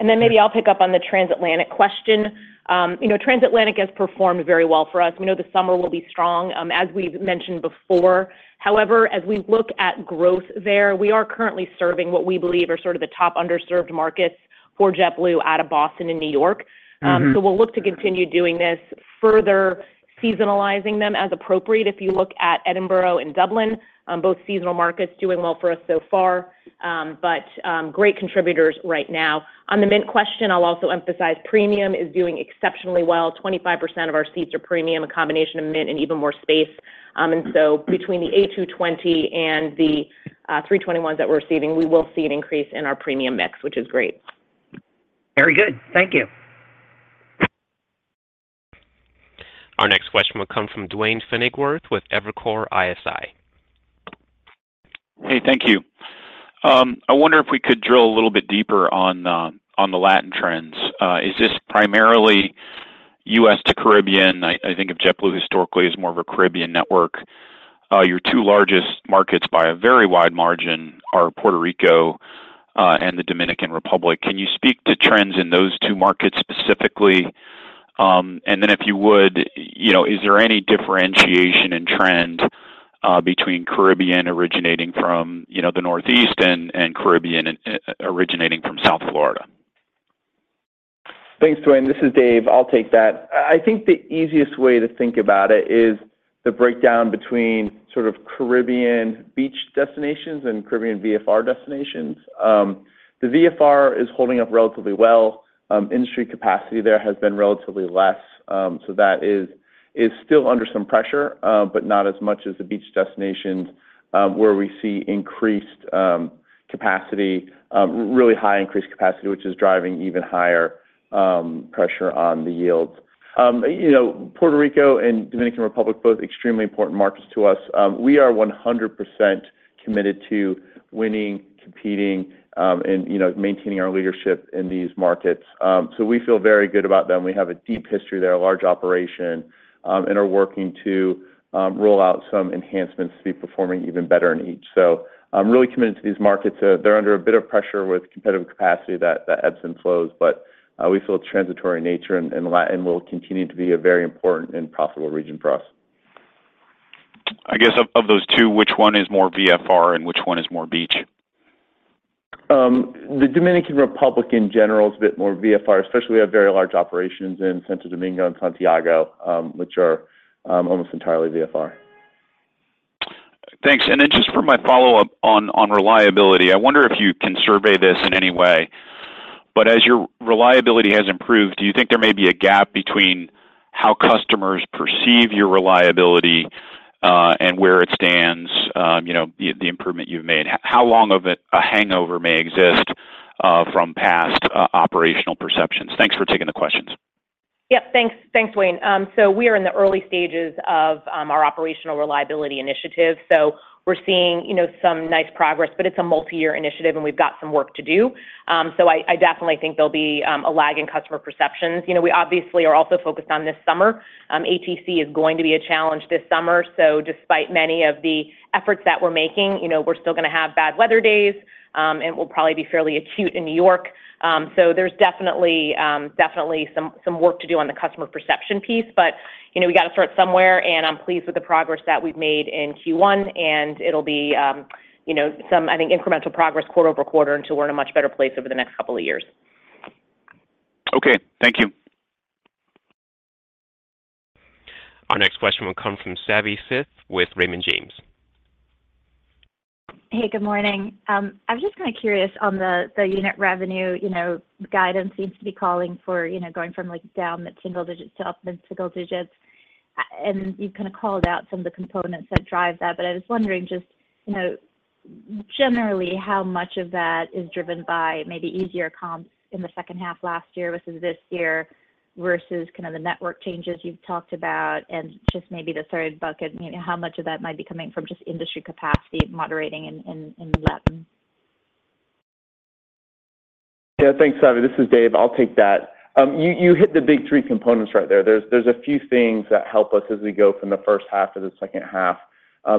[SPEAKER 3] Then maybe I'll pick up on the transatlantic question. You know, transatlantic has performed very well for us. We know the summer will be strong, as we've mentioned before. However, as we look at growth there, we are currently serving what we believe are sort of the top underserved markets for JetBlue out of Boston and New York.
[SPEAKER 8] Mm-hmm.
[SPEAKER 3] So we'll look to continue doing this, further seasonalizing them as appropriate. If you look at Edinburgh and Dublin, both seasonal markets doing well for us so far, but great contributors right now. On the Mint question, I'll also emphasize Premium is doing exceptionally well. 25% of our seats are Premium, a combination of Mint and Even More Space. And so between the A220 and the 321s that we're receiving, we will see an increase in our Premium mix, which is great.
[SPEAKER 8] Very good. Thank you.
[SPEAKER 1] Our next question will come from Duane Pfennigwerth with Evercore ISI.
[SPEAKER 10] Hey, thank you. I wonder if we could drill a little bit deeper on the, on the Latin trends. Is this primarily U.S. to Caribbean? I think of JetBlue historically as more of a Caribbean network. Your two largest markets by a very wide margin are Puerto Rico and the Dominican Republic. Can you speak to trends in those two markets specifically? And then if you would, you know, is there any differentiation in trend between Caribbean originating from, you know, the Northeast and Caribbean originating from South Florida?
[SPEAKER 9] Thanks, Duane. This is Dave. I'll take that. I think the easiest way to think about it is the breakdown between sort of Caribbean beach destinations and Caribbean VFR destinations. The VFR is holding up relatively well. Industry capacity there has been relatively less, so that is still under some pressure, but not as much as the beach destinations, where we see increased capacity, really high increased capacity, which is driving even higher pressure on the yields. You know, Puerto Rico and Dominican Republic, both extremely important markets to us. We are 100% committed to winning, competing, and, you know, maintaining our leadership in these markets. So we feel very good about them. We have a deep history there, a large operation, and are working to roll out some enhancements to be performing even better in each. So I'm really committed to these markets. They're under a bit of pressure with competitive capacity that ebbs and flows, but we feel it's transitory in nature and Latin will continue to be a very important and profitable region for us.
[SPEAKER 10] I guess of, of those two, which one is more VFR and which one is more beach?
[SPEAKER 9] The Dominican Republic in general is a bit more VFR, especially we have very large operations in Santo Domingo and Santiago, which are almost entirely VFR.
[SPEAKER 10] Thanks, and then just for my follow-up on reliability, I wonder if you can survey this in any way. But as your reliability has improved, do you think there may be a gap between how customers perceive your reliability and where it stands, you know, the improvement you've made? How long of a hangover may exist from past operational perceptions? Thanks for taking the question.
[SPEAKER 3] Yep, thanks. Thanks, Duane. So we are in the early stages of our operational reliability initiative. So we're seeing, you know, some nice progress, but it's a multi-year initiative, and we've got some work to do. So I definitely think there'll be a lag in customer perceptions. You know, we obviously are also focused on this summer. ATC is going to be a challenge this summer. So despite many of the efforts that we're making, you know, we're still gonna have bad weather days, and it will probably be fairly acute in New York. So there's definitely some work to do on the customer perception piece, but, you know, we got to start somewhere, and I'm pleased with the progress that we've made in Q1, and it'll be, you know, some, I think, incremental progress quarter over quarter until we're in a much better place over the next couple of years.
[SPEAKER 10] Okay, thank you.
[SPEAKER 1] Our next question will come from Savanthi Syth with Raymond James.
[SPEAKER 11] Hey, good morning. I was just kind of curious on the, the unit revenue, you know, guidance seems to be calling for, you know, going from, like, down the single digits to up mid-single digits. And you kind of called out some of the components that drive that. But I was wondering just, you know, generally, how much of that is driven by maybe easier comps in the second half last year versus this year, versus kind of the network changes you've talked about, and just maybe the third bucket, you know, how much of that might be coming from just industry capacity moderating in Latin?
[SPEAKER 9] Yeah, thanks, Savi. This is Dave. I'll take that. You hit the big three components right there. There's a few things that help us as we go from the first half to the second half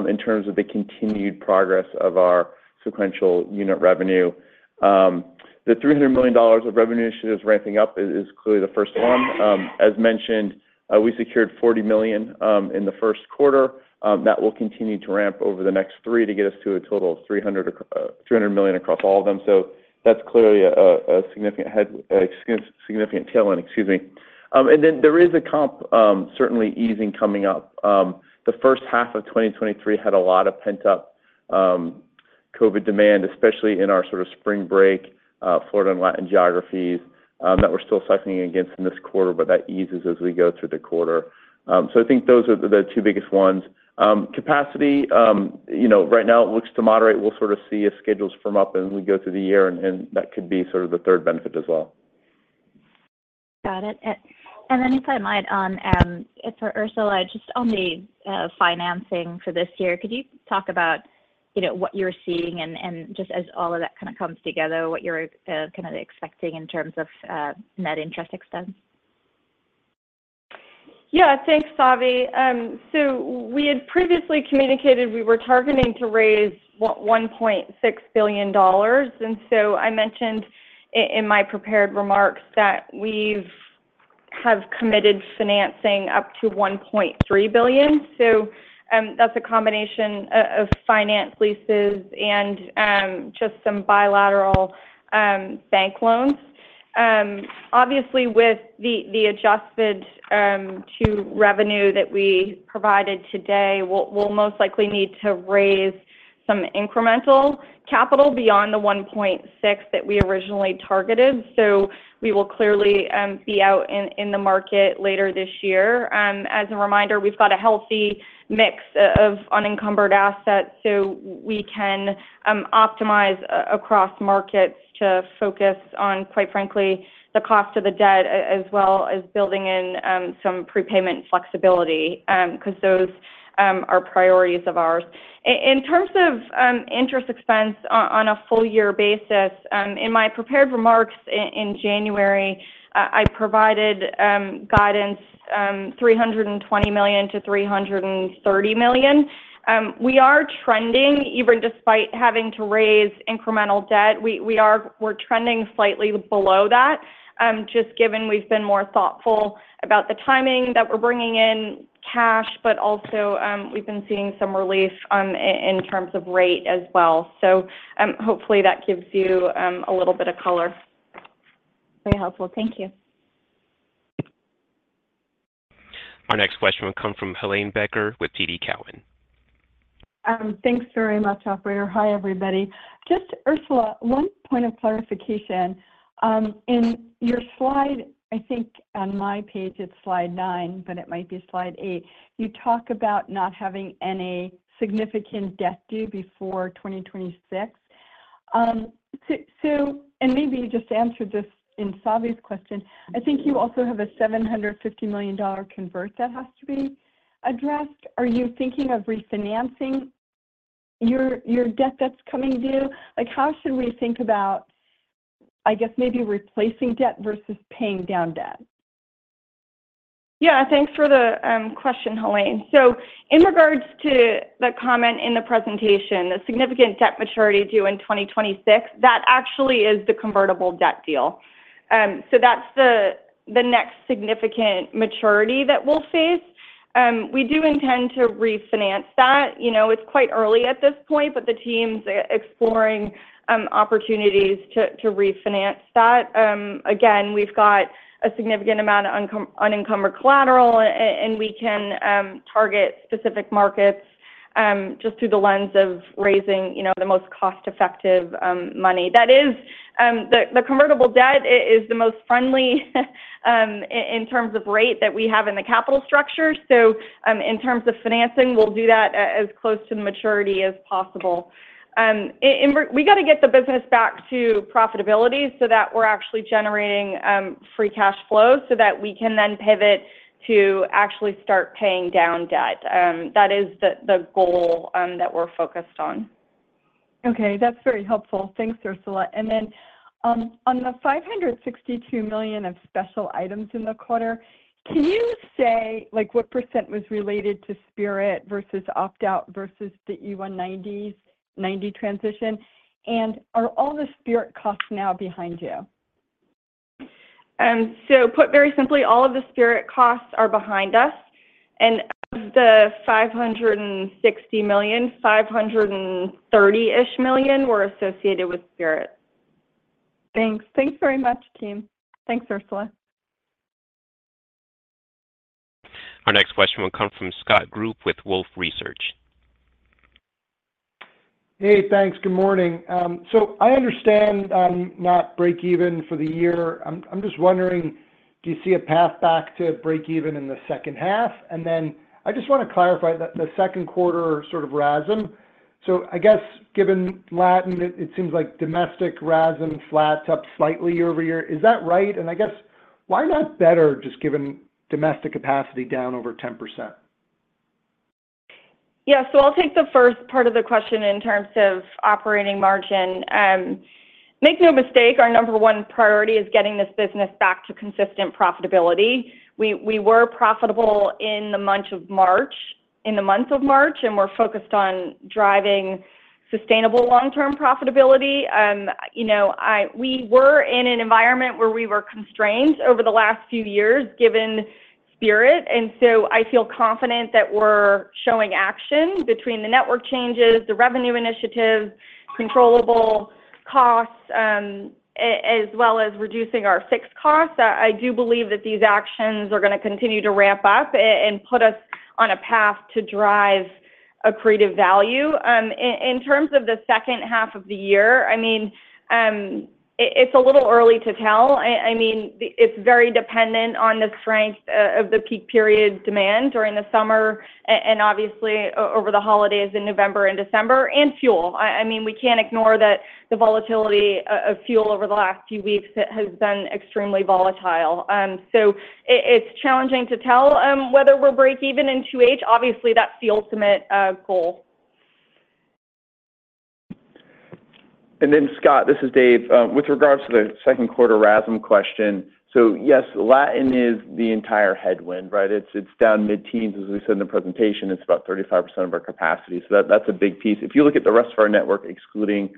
[SPEAKER 9] in terms of the continued progress of our sequential unit revenue. The $300 million of revenue initiatives ramping up is clearly the first one. As mentioned, we secured $40 million in the first quarter. That will continue to ramp over the next three to get us to a total of $300 million across all of them. So that's clearly a significant tailwind, excuse me. And then there is a comp certainly easing coming up. The first half of 2023 had a lot of pent-up, COVID demand, especially in our sort of spring break, Florida and Latin geographies, that we're still cycling against in this quarter, but that eases as we go through the quarter. So I think those are the, the two biggest ones. Capacity, you know, right now it looks to moderate. We'll sort of see if schedules firm up as we go through the year, and, and that could be sort of the third benefit as well.
[SPEAKER 11] Got it. And then if I might, it's for Ursula, just on the financing for this year, could you talk about, you know, what you're seeing and just as all of that kind of comes together, what you're kind of expecting in terms of net interest expense?
[SPEAKER 5] Yeah. Thanks, Savi. So we had previously communicated we were targeting to raise $1.6 billion, and so I mentioned in my prepared remarks that we have committed financing up to $1.3 billion. So, that's a combination of finance leases and just some bilateral bank loans. Obviously, with the adjusted 2Q revenue that we provided today, we'll most likely need to raise some incremental capital beyond the $1.6 billion that we originally targeted. So we will clearly be out in the market later this year. As a reminder, we've got a healthy mix of unencumbered assets, so we can optimize across markets to focus on, quite frankly, the cost of the debt, as well as building in some prepayment flexibility, because those are priorities of ours. In terms of interest expense on a full year basis, in my prepared remarks in January, I provided guidance $300 million-$330 million. We are trending even despite having to raise incremental debt, we're trending slightly below that, just given we've been more thoughtful about the timing that we're bringing in cash, but also, we've been seeing some relief in terms of rate as well. So, hopefully, that gives you a little bit of color.
[SPEAKER 11] Very helpful. Thank you.
[SPEAKER 1] Our next question will come from Helane Becker with TD Cowen.
[SPEAKER 12] Thanks very much, operator. Hi, everybody. Just Ursula, one point of clarification. In your slide, I think on my page it's slide nine, but it might be slide eight, you talk about not having any significant debt due before 2026. So, so, and maybe you just answered this in Savi's question. I think you also have a $750 million convert that has to be addressed. Are you thinking of refinancing your, your debt that's coming due? Like, how should we think about, I guess, maybe replacing debt versus paying down debt?
[SPEAKER 5] Yeah, thanks for the question, Helane. So in regards to the comment in the presentation, the significant debt maturity due in 2026, that actually is the convertible debt deal. So that's the next significant maturity that we'll face. We do intend to refinance that. You know, it's quite early at this point, but the team's exploring opportunities to refinance that. Again, we've got a significant amount of unencumbered collateral, and we can target specific markets just through the lens of raising, you know, the most cost-effective money. That is, the convertible debt is the most friendly in terms of rate that we have in the capital structure. So, in terms of financing, we'll do that as close to maturity as possible. We got to get the business back to profitability so that we're actually generating free cash flow so that we can then pivot to actually start paying down debt. That is the goal that we're focused on.
[SPEAKER 12] Okay, that's very helpful. Thanks, Ursula. And then, on the $562 million of special items in the quarter, can you say, like, what % was related to Spirit versus opt-out versus the E190s, E190 transition? And are all the Spirit costs now behind you?
[SPEAKER 5] So put very simply, all of the Spirit costs are behind us, and of the $560 million, $530-ish million were associated with Spirit.
[SPEAKER 12] Thanks. Thanks very much, team. Thanks, Ursula.
[SPEAKER 1] Our next question will come from Scott Group with Wolfe Research.
[SPEAKER 13] Hey, thanks. Good morning. So I understand not breakeven for the year. I'm just wondering, do you see a path back to breakeven in the second half? And then I just want to clarify the second quarter sort of RASM. So I guess given Latin, it seems like domestic RASM flat to up slightly year-over-year. Is that right? And I guess, why not better, just given domestic capacity down over 10%?
[SPEAKER 5] Yeah. So I'll take the first part of the question in terms of operating margin. Make no mistake, our number one priority is getting this business back to consistent profitability. We were profitable in the month of March, in the month of March, and we're focused on driving sustainable long-term profitability. You know, we were in an environment where we were constrained over the last few years, given Spirit, and so I feel confident that we're showing action between the network changes, the revenue initiatives, controllable costs, as well as reducing our fixed costs. I do believe that these actions are going to continue to ramp up and put us on a path to drive accretive value. In terms of the second half of the year, I mean, it's a little early to tell. I mean, it's very dependent on the strength of the peak period demand during the summer, and obviously, over the holidays in November and December, and fuel. I mean, we can't ignore that the volatility of fuel over the last few weeks has been extremely volatile. So it's challenging to tell whether we're breakeven in 2H. Obviously, that's the ultimate goal.
[SPEAKER 9] And then, Scott, this is Dave. With regards to the second quarter RASM question, so yes, Latin is the entire headwind, right? It's down mid-teens, as we said in the presentation, it's about 35% of our capacity, so that's a big piece. If you look at the rest of our network, excluding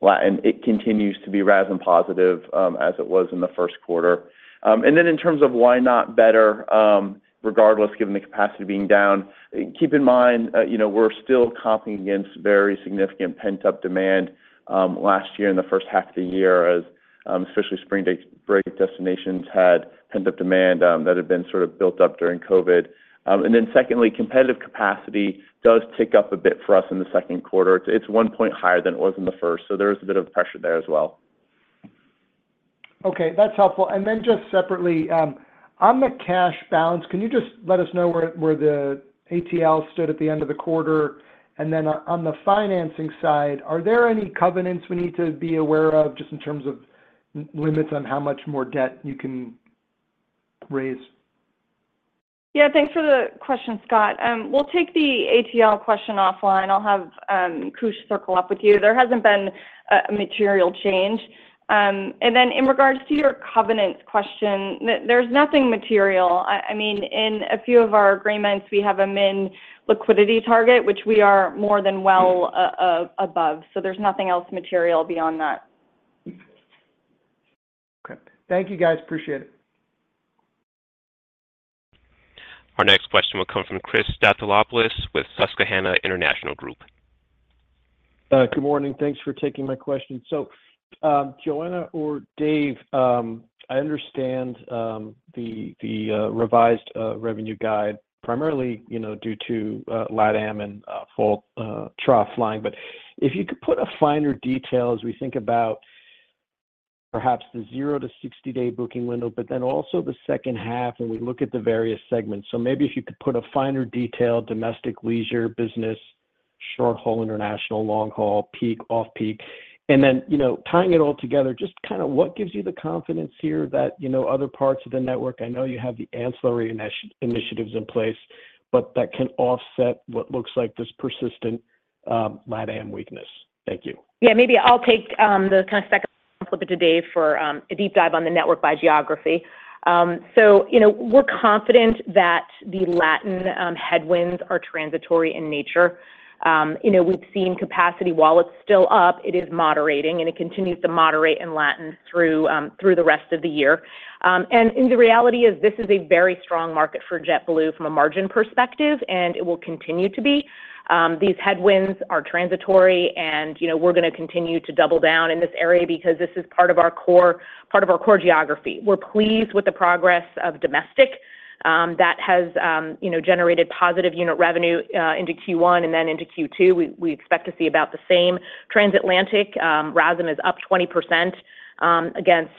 [SPEAKER 9] Latin, it continues to be RASM positive, as it was in the first quarter. And then in terms of why not better, regardless, given the capacity being down, keep in mind, you know, we're still comping against very significant pent-up demand last year in the first half of the year, as especially spring break destinations had pent-up demand that had been sort of built up during COVID. And then secondly, competitive capacity does tick up a bit for us in the second quarter. It's 1 point higher than it was in the first, so there is a bit of pressure there as well.
[SPEAKER 13] Okay, that's helpful. And then just separately, on the cash balance, can you just let us know where the ATL stood at the end of the quarter? And then on the financing side, are there any covenants we need to be aware of just in terms of limits on how much more debt you can raise?
[SPEAKER 5] Yeah, thanks for the question, Scott. We'll take the ATL question offline. I'll have Koosh circle up with you. There hasn't been a material change. And then in regards to your covenant question, there's nothing material. I mean, in a few of our agreements, we have a min liquidity target, which we are more than well above, so there's nothing else material beyond that.
[SPEAKER 13] Okay. Thank you, guys. Appreciate it.
[SPEAKER 1] Our next question will come from Christopher Stathoulopoulos with Susquehanna International Group.
[SPEAKER 14] Good morning. Thanks for taking my question. So, Joanna or Dave, I understand the revised revenue guide, primarily, you know, due to LATAM and full trough flying. But if you could put a finer detail as we think about perhaps the zero to 60-day booking window, but then also the second half, and we look at the various segments. So maybe if you could put a finer detail, domestic, leisure, business, short-haul, international, long-haul, peak, off-peak, and then, you know, tying it all together, just kind of what gives you the confidence here that, you know, other parts of the network... I know you have the ancillary initiatives in place, but that can offset what looks like this persistent LATAM weakness. Thank you.
[SPEAKER 3] Yeah, maybe I'll take the kind of second it to Dave for a deep dive on the network by geography. So you know, we're confident that the Latin headwinds are transitory in nature. You know, we've seen capacity, while it's still up, it is moderating, and it continues to moderate in Latin through the rest of the year. And the reality is this is a very strong market for JetBlue from a margin perspective, and it will continue to be. These headwinds are transitory, and, you know, we're going to continue to double down in this area because this is part of our core, part of our core geography. We're pleased with the progress of domestic that has you know generated positive unit revenue into Q1 and then into Q2. We expect to see about the same. Transatlantic RASM is up 20%, against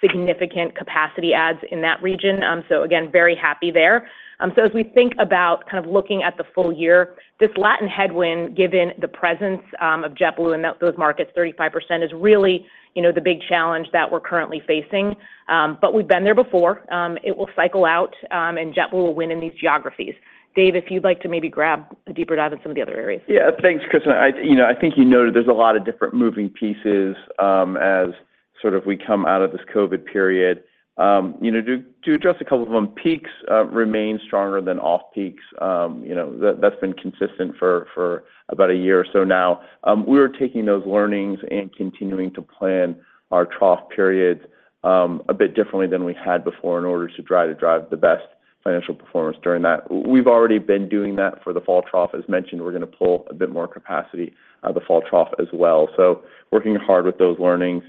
[SPEAKER 3] significant capacity adds in that region. So again, very happy there. So as we think about kind of looking at the full year, this Latin headwind, given the presence of JetBlue in those markets, 35%, is really, you know, the big challenge that we're currently facing. But we've been there before. It will cycle out, and JetBlue will win in these geographies. Dave, if you'd like to maybe grab a deeper dive in some of the other areas.
[SPEAKER 9] Yeah. Thanks, Chris. I, you know, I think you noted there's a lot of different moving pieces, as- sort of we come out of this COVID period, you know, to address a couple of them, peaks remain stronger than off-peaks. You know, that's been consistent for about a year or so now. We are taking those learnings and continuing to plan our trough periods a bit differently than we had before in order to try to drive the best financial performance during that. We've already been doing that for the fall trough. As mentioned, we're gonna pull a bit more capacity out of the fall trough as well, so working hard with those learnings.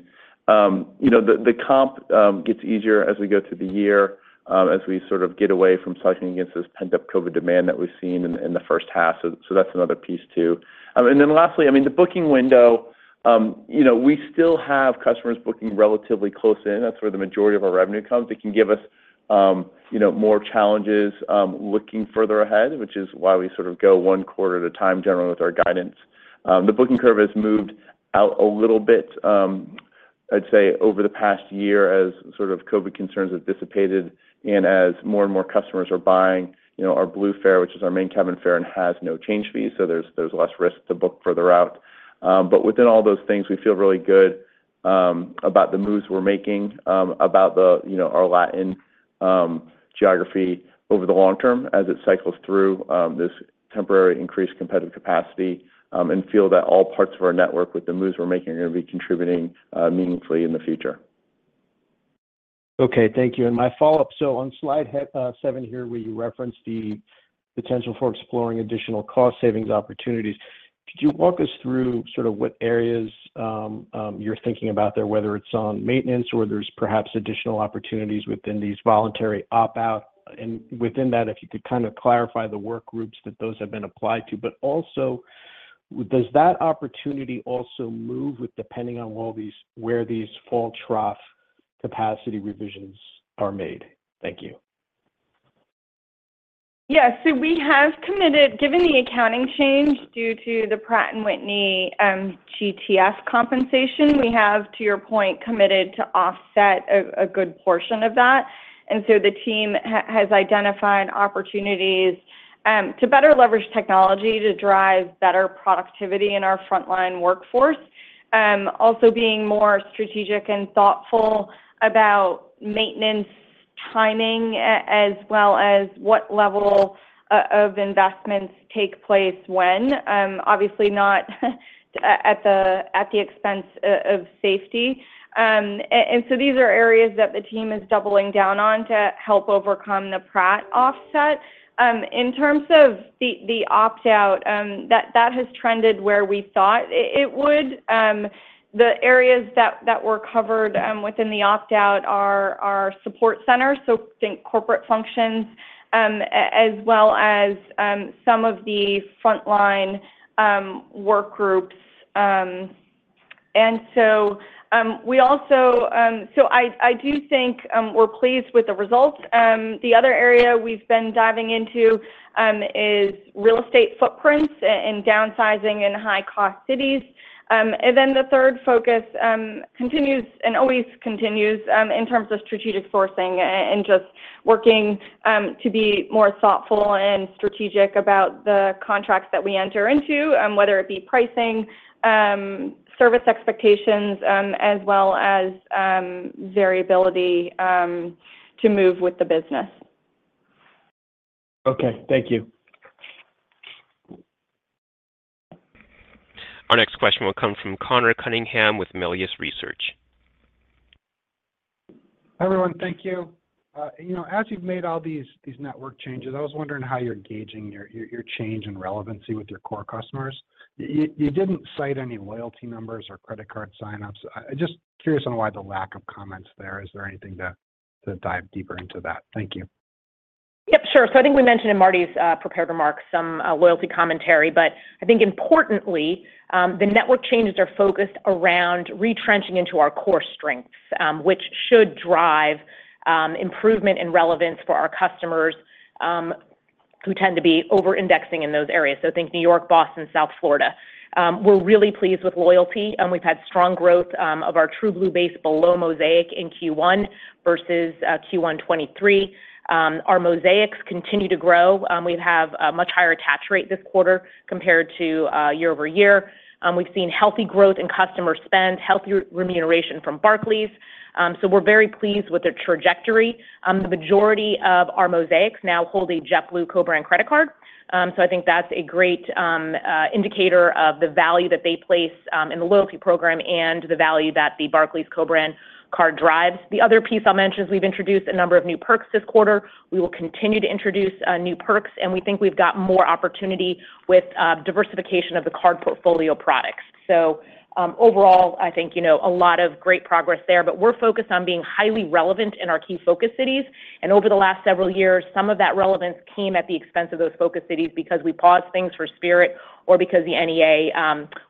[SPEAKER 9] You know, the comp gets easier as we go through the year, as we sort of get away from cycling against this pent-up COVID demand that we've seen in the first half. So that's another piece, too. I mean, and then lastly, I mean, the booking window, you know, we still have customers booking relatively close in. That's where the majority of our revenue comes. It can give us, you know, more challenges looking further ahead, which is why we sort of go one quarter at a time, generally, with our guidance. The booking curve has moved out a little bit, I'd say, over the past year as sort of COVID concerns have dissipated and as more and more customers are buying, you know, our Blue fare, which is our main cabin fare, and has no change fees, so there's, there's less risk to book further out. But within all those things, we feel really good about the moves we're making about the, you know, our Latin geography over the long term as it cycles through this temporary increased competitive capacity, and feel that all parts of our network, with the moves we're making, are gonna be contributing meaningfully in the future.
[SPEAKER 14] Okay, thank you. And my follow-up: so on slide seven here, where you referenced the potential for exploring additional cost savings opportunities, could you walk us through sort of what areas you're thinking about there, whether it's on maintenance or there's perhaps additional opportunities within these voluntary opt-out? And within that, if you could kind of clarify the work groups that those have been applied to. But also, does that opportunity also move with depending on all these- where these fall through capacity revisions are made? Thank you.
[SPEAKER 5] Yeah. So we have committed. Given the accounting change due to the Pratt & Whitney GTF compensation, we have, to your point, committed to offset a good portion of that. And so the team has identified opportunities to better leverage technology to drive better productivity in our frontline workforce, also being more strategic and thoughtful about maintenance timing as well as what level of investments take place when, obviously not at the expense of safety. And so these are areas that the team is doubling down on to help overcome the Pratt offset. In terms of the opt-out, that has trended where we thought it would. The areas that were covered within the opt-out are our support center, so think corporate functions, as well as some of the frontline workgroups. And so, we also—So I do think we're pleased with the results. The other area we've been diving into is real estate footprints and downsizing in high-cost cities. And then the third focus continues and always continues in terms of strategic sourcing and just working to be more thoughtful and strategic about the contracts that we enter into, whether it be pricing, service expectations, as well as variability to move with the business.
[SPEAKER 14] Okay, thank you.
[SPEAKER 1] Our next question will come from Conor Cunningham with Melius Research.
[SPEAKER 15] Hi, everyone. Thank you. You know, as you've made all these network changes, I was wondering how you're gauging your change in relevancy with your core customers. You didn't cite any loyalty numbers or credit card sign-ups. I'm just curious on why the lack of comments there. Is there anything to dive deeper into that? Thank you.
[SPEAKER 3] Yep, sure. So I think we mentioned in Marty's prepared remarks some loyalty commentary, but I think importantly, the network changes are focused around retrenching into our core strengths, which should drive improvement and relevance for our customers, who tend to be over-indexing in those areas, so think New York, Boston, South Florida. We're really pleased with loyalty, and we've had strong growth of our TrueBlue base below Mosaic in Q1 versus Q1 2023. Our Mosaics continue to grow. We have a much higher attach rate this quarter compared to year-over-year. We've seen healthy growth in customer spend, healthy remuneration from Barclays, so we're very pleased with the trajectory. The majority of our Mosaics now hold a JetBlue co-brand credit card, so I think that's a great indicator of the value that they place in the loyalty program and the value that the Barclays co-brand card drives. The other piece I'll mention is we've introduced a number of new perks this quarter. We will continue to introduce new perks, and we think we've got more opportunity with diversification of the card portfolio products. So, overall, I think, you know, a lot of great progress there, but we're focused on being highly relevant in our key focus cities, and over the last several years, some of that relevance came at the expense of those focus cities because we paused things for Spirit or because the NEA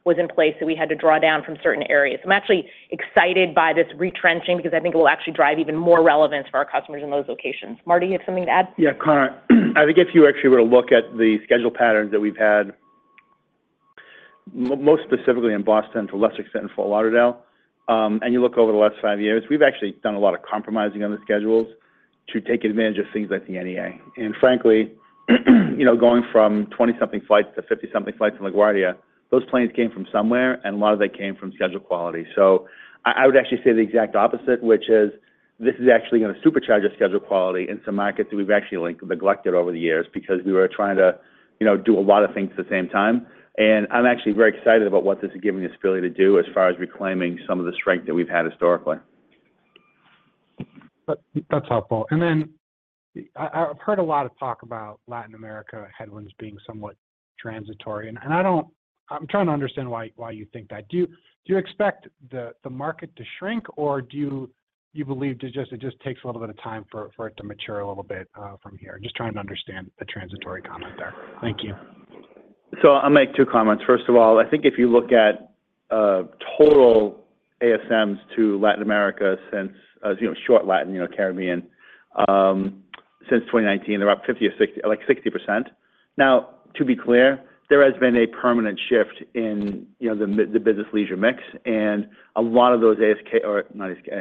[SPEAKER 3] was in place, so we had to draw down from certain areas. I'm actually excited by this retrenching because I think it will actually drive even more relevance for our customers in those locations. Marty, you have something to add?
[SPEAKER 4] Yeah, Conor, I think if you actually were to look at the schedule patterns that we've had, most specifically in Boston, to a lesser extent in Fort Lauderdale, and you look over the last five years, we've actually done a lot of compromising on the schedules. to take advantage of things like the NEA. And frankly, you know, going from 20-something flights to 50-something flights from LaGuardia, those planes came from somewhere, and a lot of them came from schedule quality. So I, I would actually say the exact opposite, which is this is actually going to supercharge our schedule quality in some markets that we've actually, like, neglected over the years because we were trying to, you know, do a lot of things at the same time. And I'm actually very excited about what this is giving us ability to do as far as reclaiming some of the strength that we've had historically.
[SPEAKER 15] But that's helpful. And then, I've heard a lot of talk about Latin America headwinds being somewhat transitory, and I don't—I'm trying to understand why you think that. Do you expect the market to shrink, or do you believe it just takes a little bit of time for it to mature a little bit from here? Just trying to understand the transitory comment there. Thank you.
[SPEAKER 4] So I'll make two comments. First of all, I think if you look at total ASMs to Latin America since, as you know, short-haul Latin, you know, Caribbean, since 2019, they're up 50 or 60—like 60%. Now, to be clear, there has been a permanent shift in, you know, the business leisure mix, and a lot of those ASMs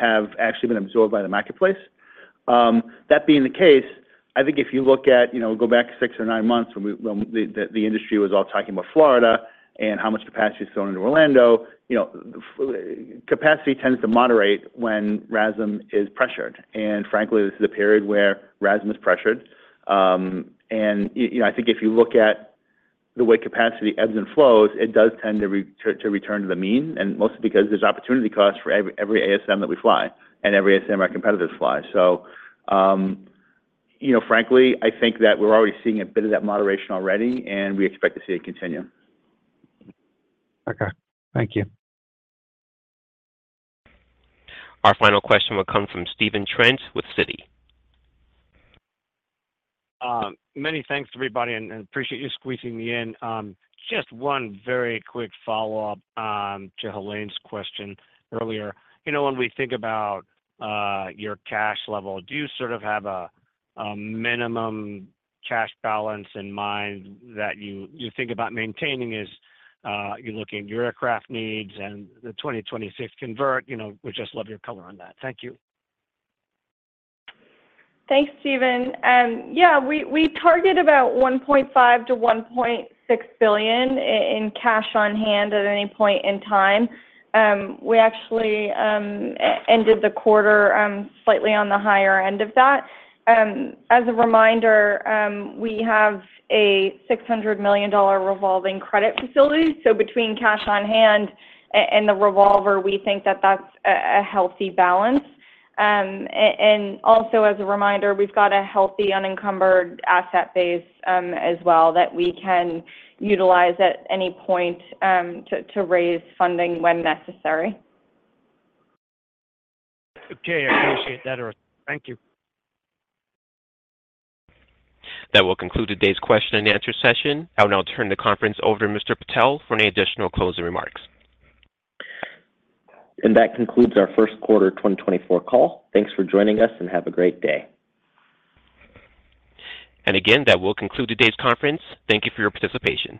[SPEAKER 4] have actually been absorbed by the marketplace. That being the case, I think if you look at, you know, go back six or nine months when we, when the industry was all talking about Florida and how much capacity is going into Orlando, you know, capacity tends to moderate when RASM is pressured. And frankly, this is a period where RASM is pressured. And you know, I think if you look at the way capacity ebbs and flows, it does tend to return to the mean, and mostly because there's opportunity costs for every ASM that we fly and every ASM our competitors fly. So, you know, frankly, I think that we're already seeing a bit of that moderation already, and we expect to see it continue.
[SPEAKER 15] Okay. Thank you.
[SPEAKER 1] Our final question will come from Stephen Trent with Citi.
[SPEAKER 16] Many thanks, everybody, and appreciate you squeezing me in. Just one very quick follow-up to Helane's question earlier. You know, when we think about your cash level, do you sort of have a minimum cash balance in mind that you think about maintaining as you're looking at your aircraft needs and the 2026 convert? You know, we'd just love your color on that. Thank you.
[SPEAKER 5] Thanks, Steven. Yeah, we target about $1.5 billion-$1.6 billion in cash on hand at any point in time. We actually ended the quarter slightly on the higher end of that. As a reminder, we have a $600 million revolving credit facility, so between cash on hand and the revolver, we think that that's a healthy balance. And also as a reminder, we've got a healthy unencumbered asset base as well, that we can utilize at any point to raise funding when necessary.
[SPEAKER 16] Okay. I appreciate that. Thank you.
[SPEAKER 1] That will conclude today's question and answer session. I will now turn the conference over to Mr. Patel for any additional closing remarks.
[SPEAKER 2] That concludes our first quarter 2024 call. Thanks for joining us, and have a great day.
[SPEAKER 1] And again, that will conclude today's conference. Thank you for your participation.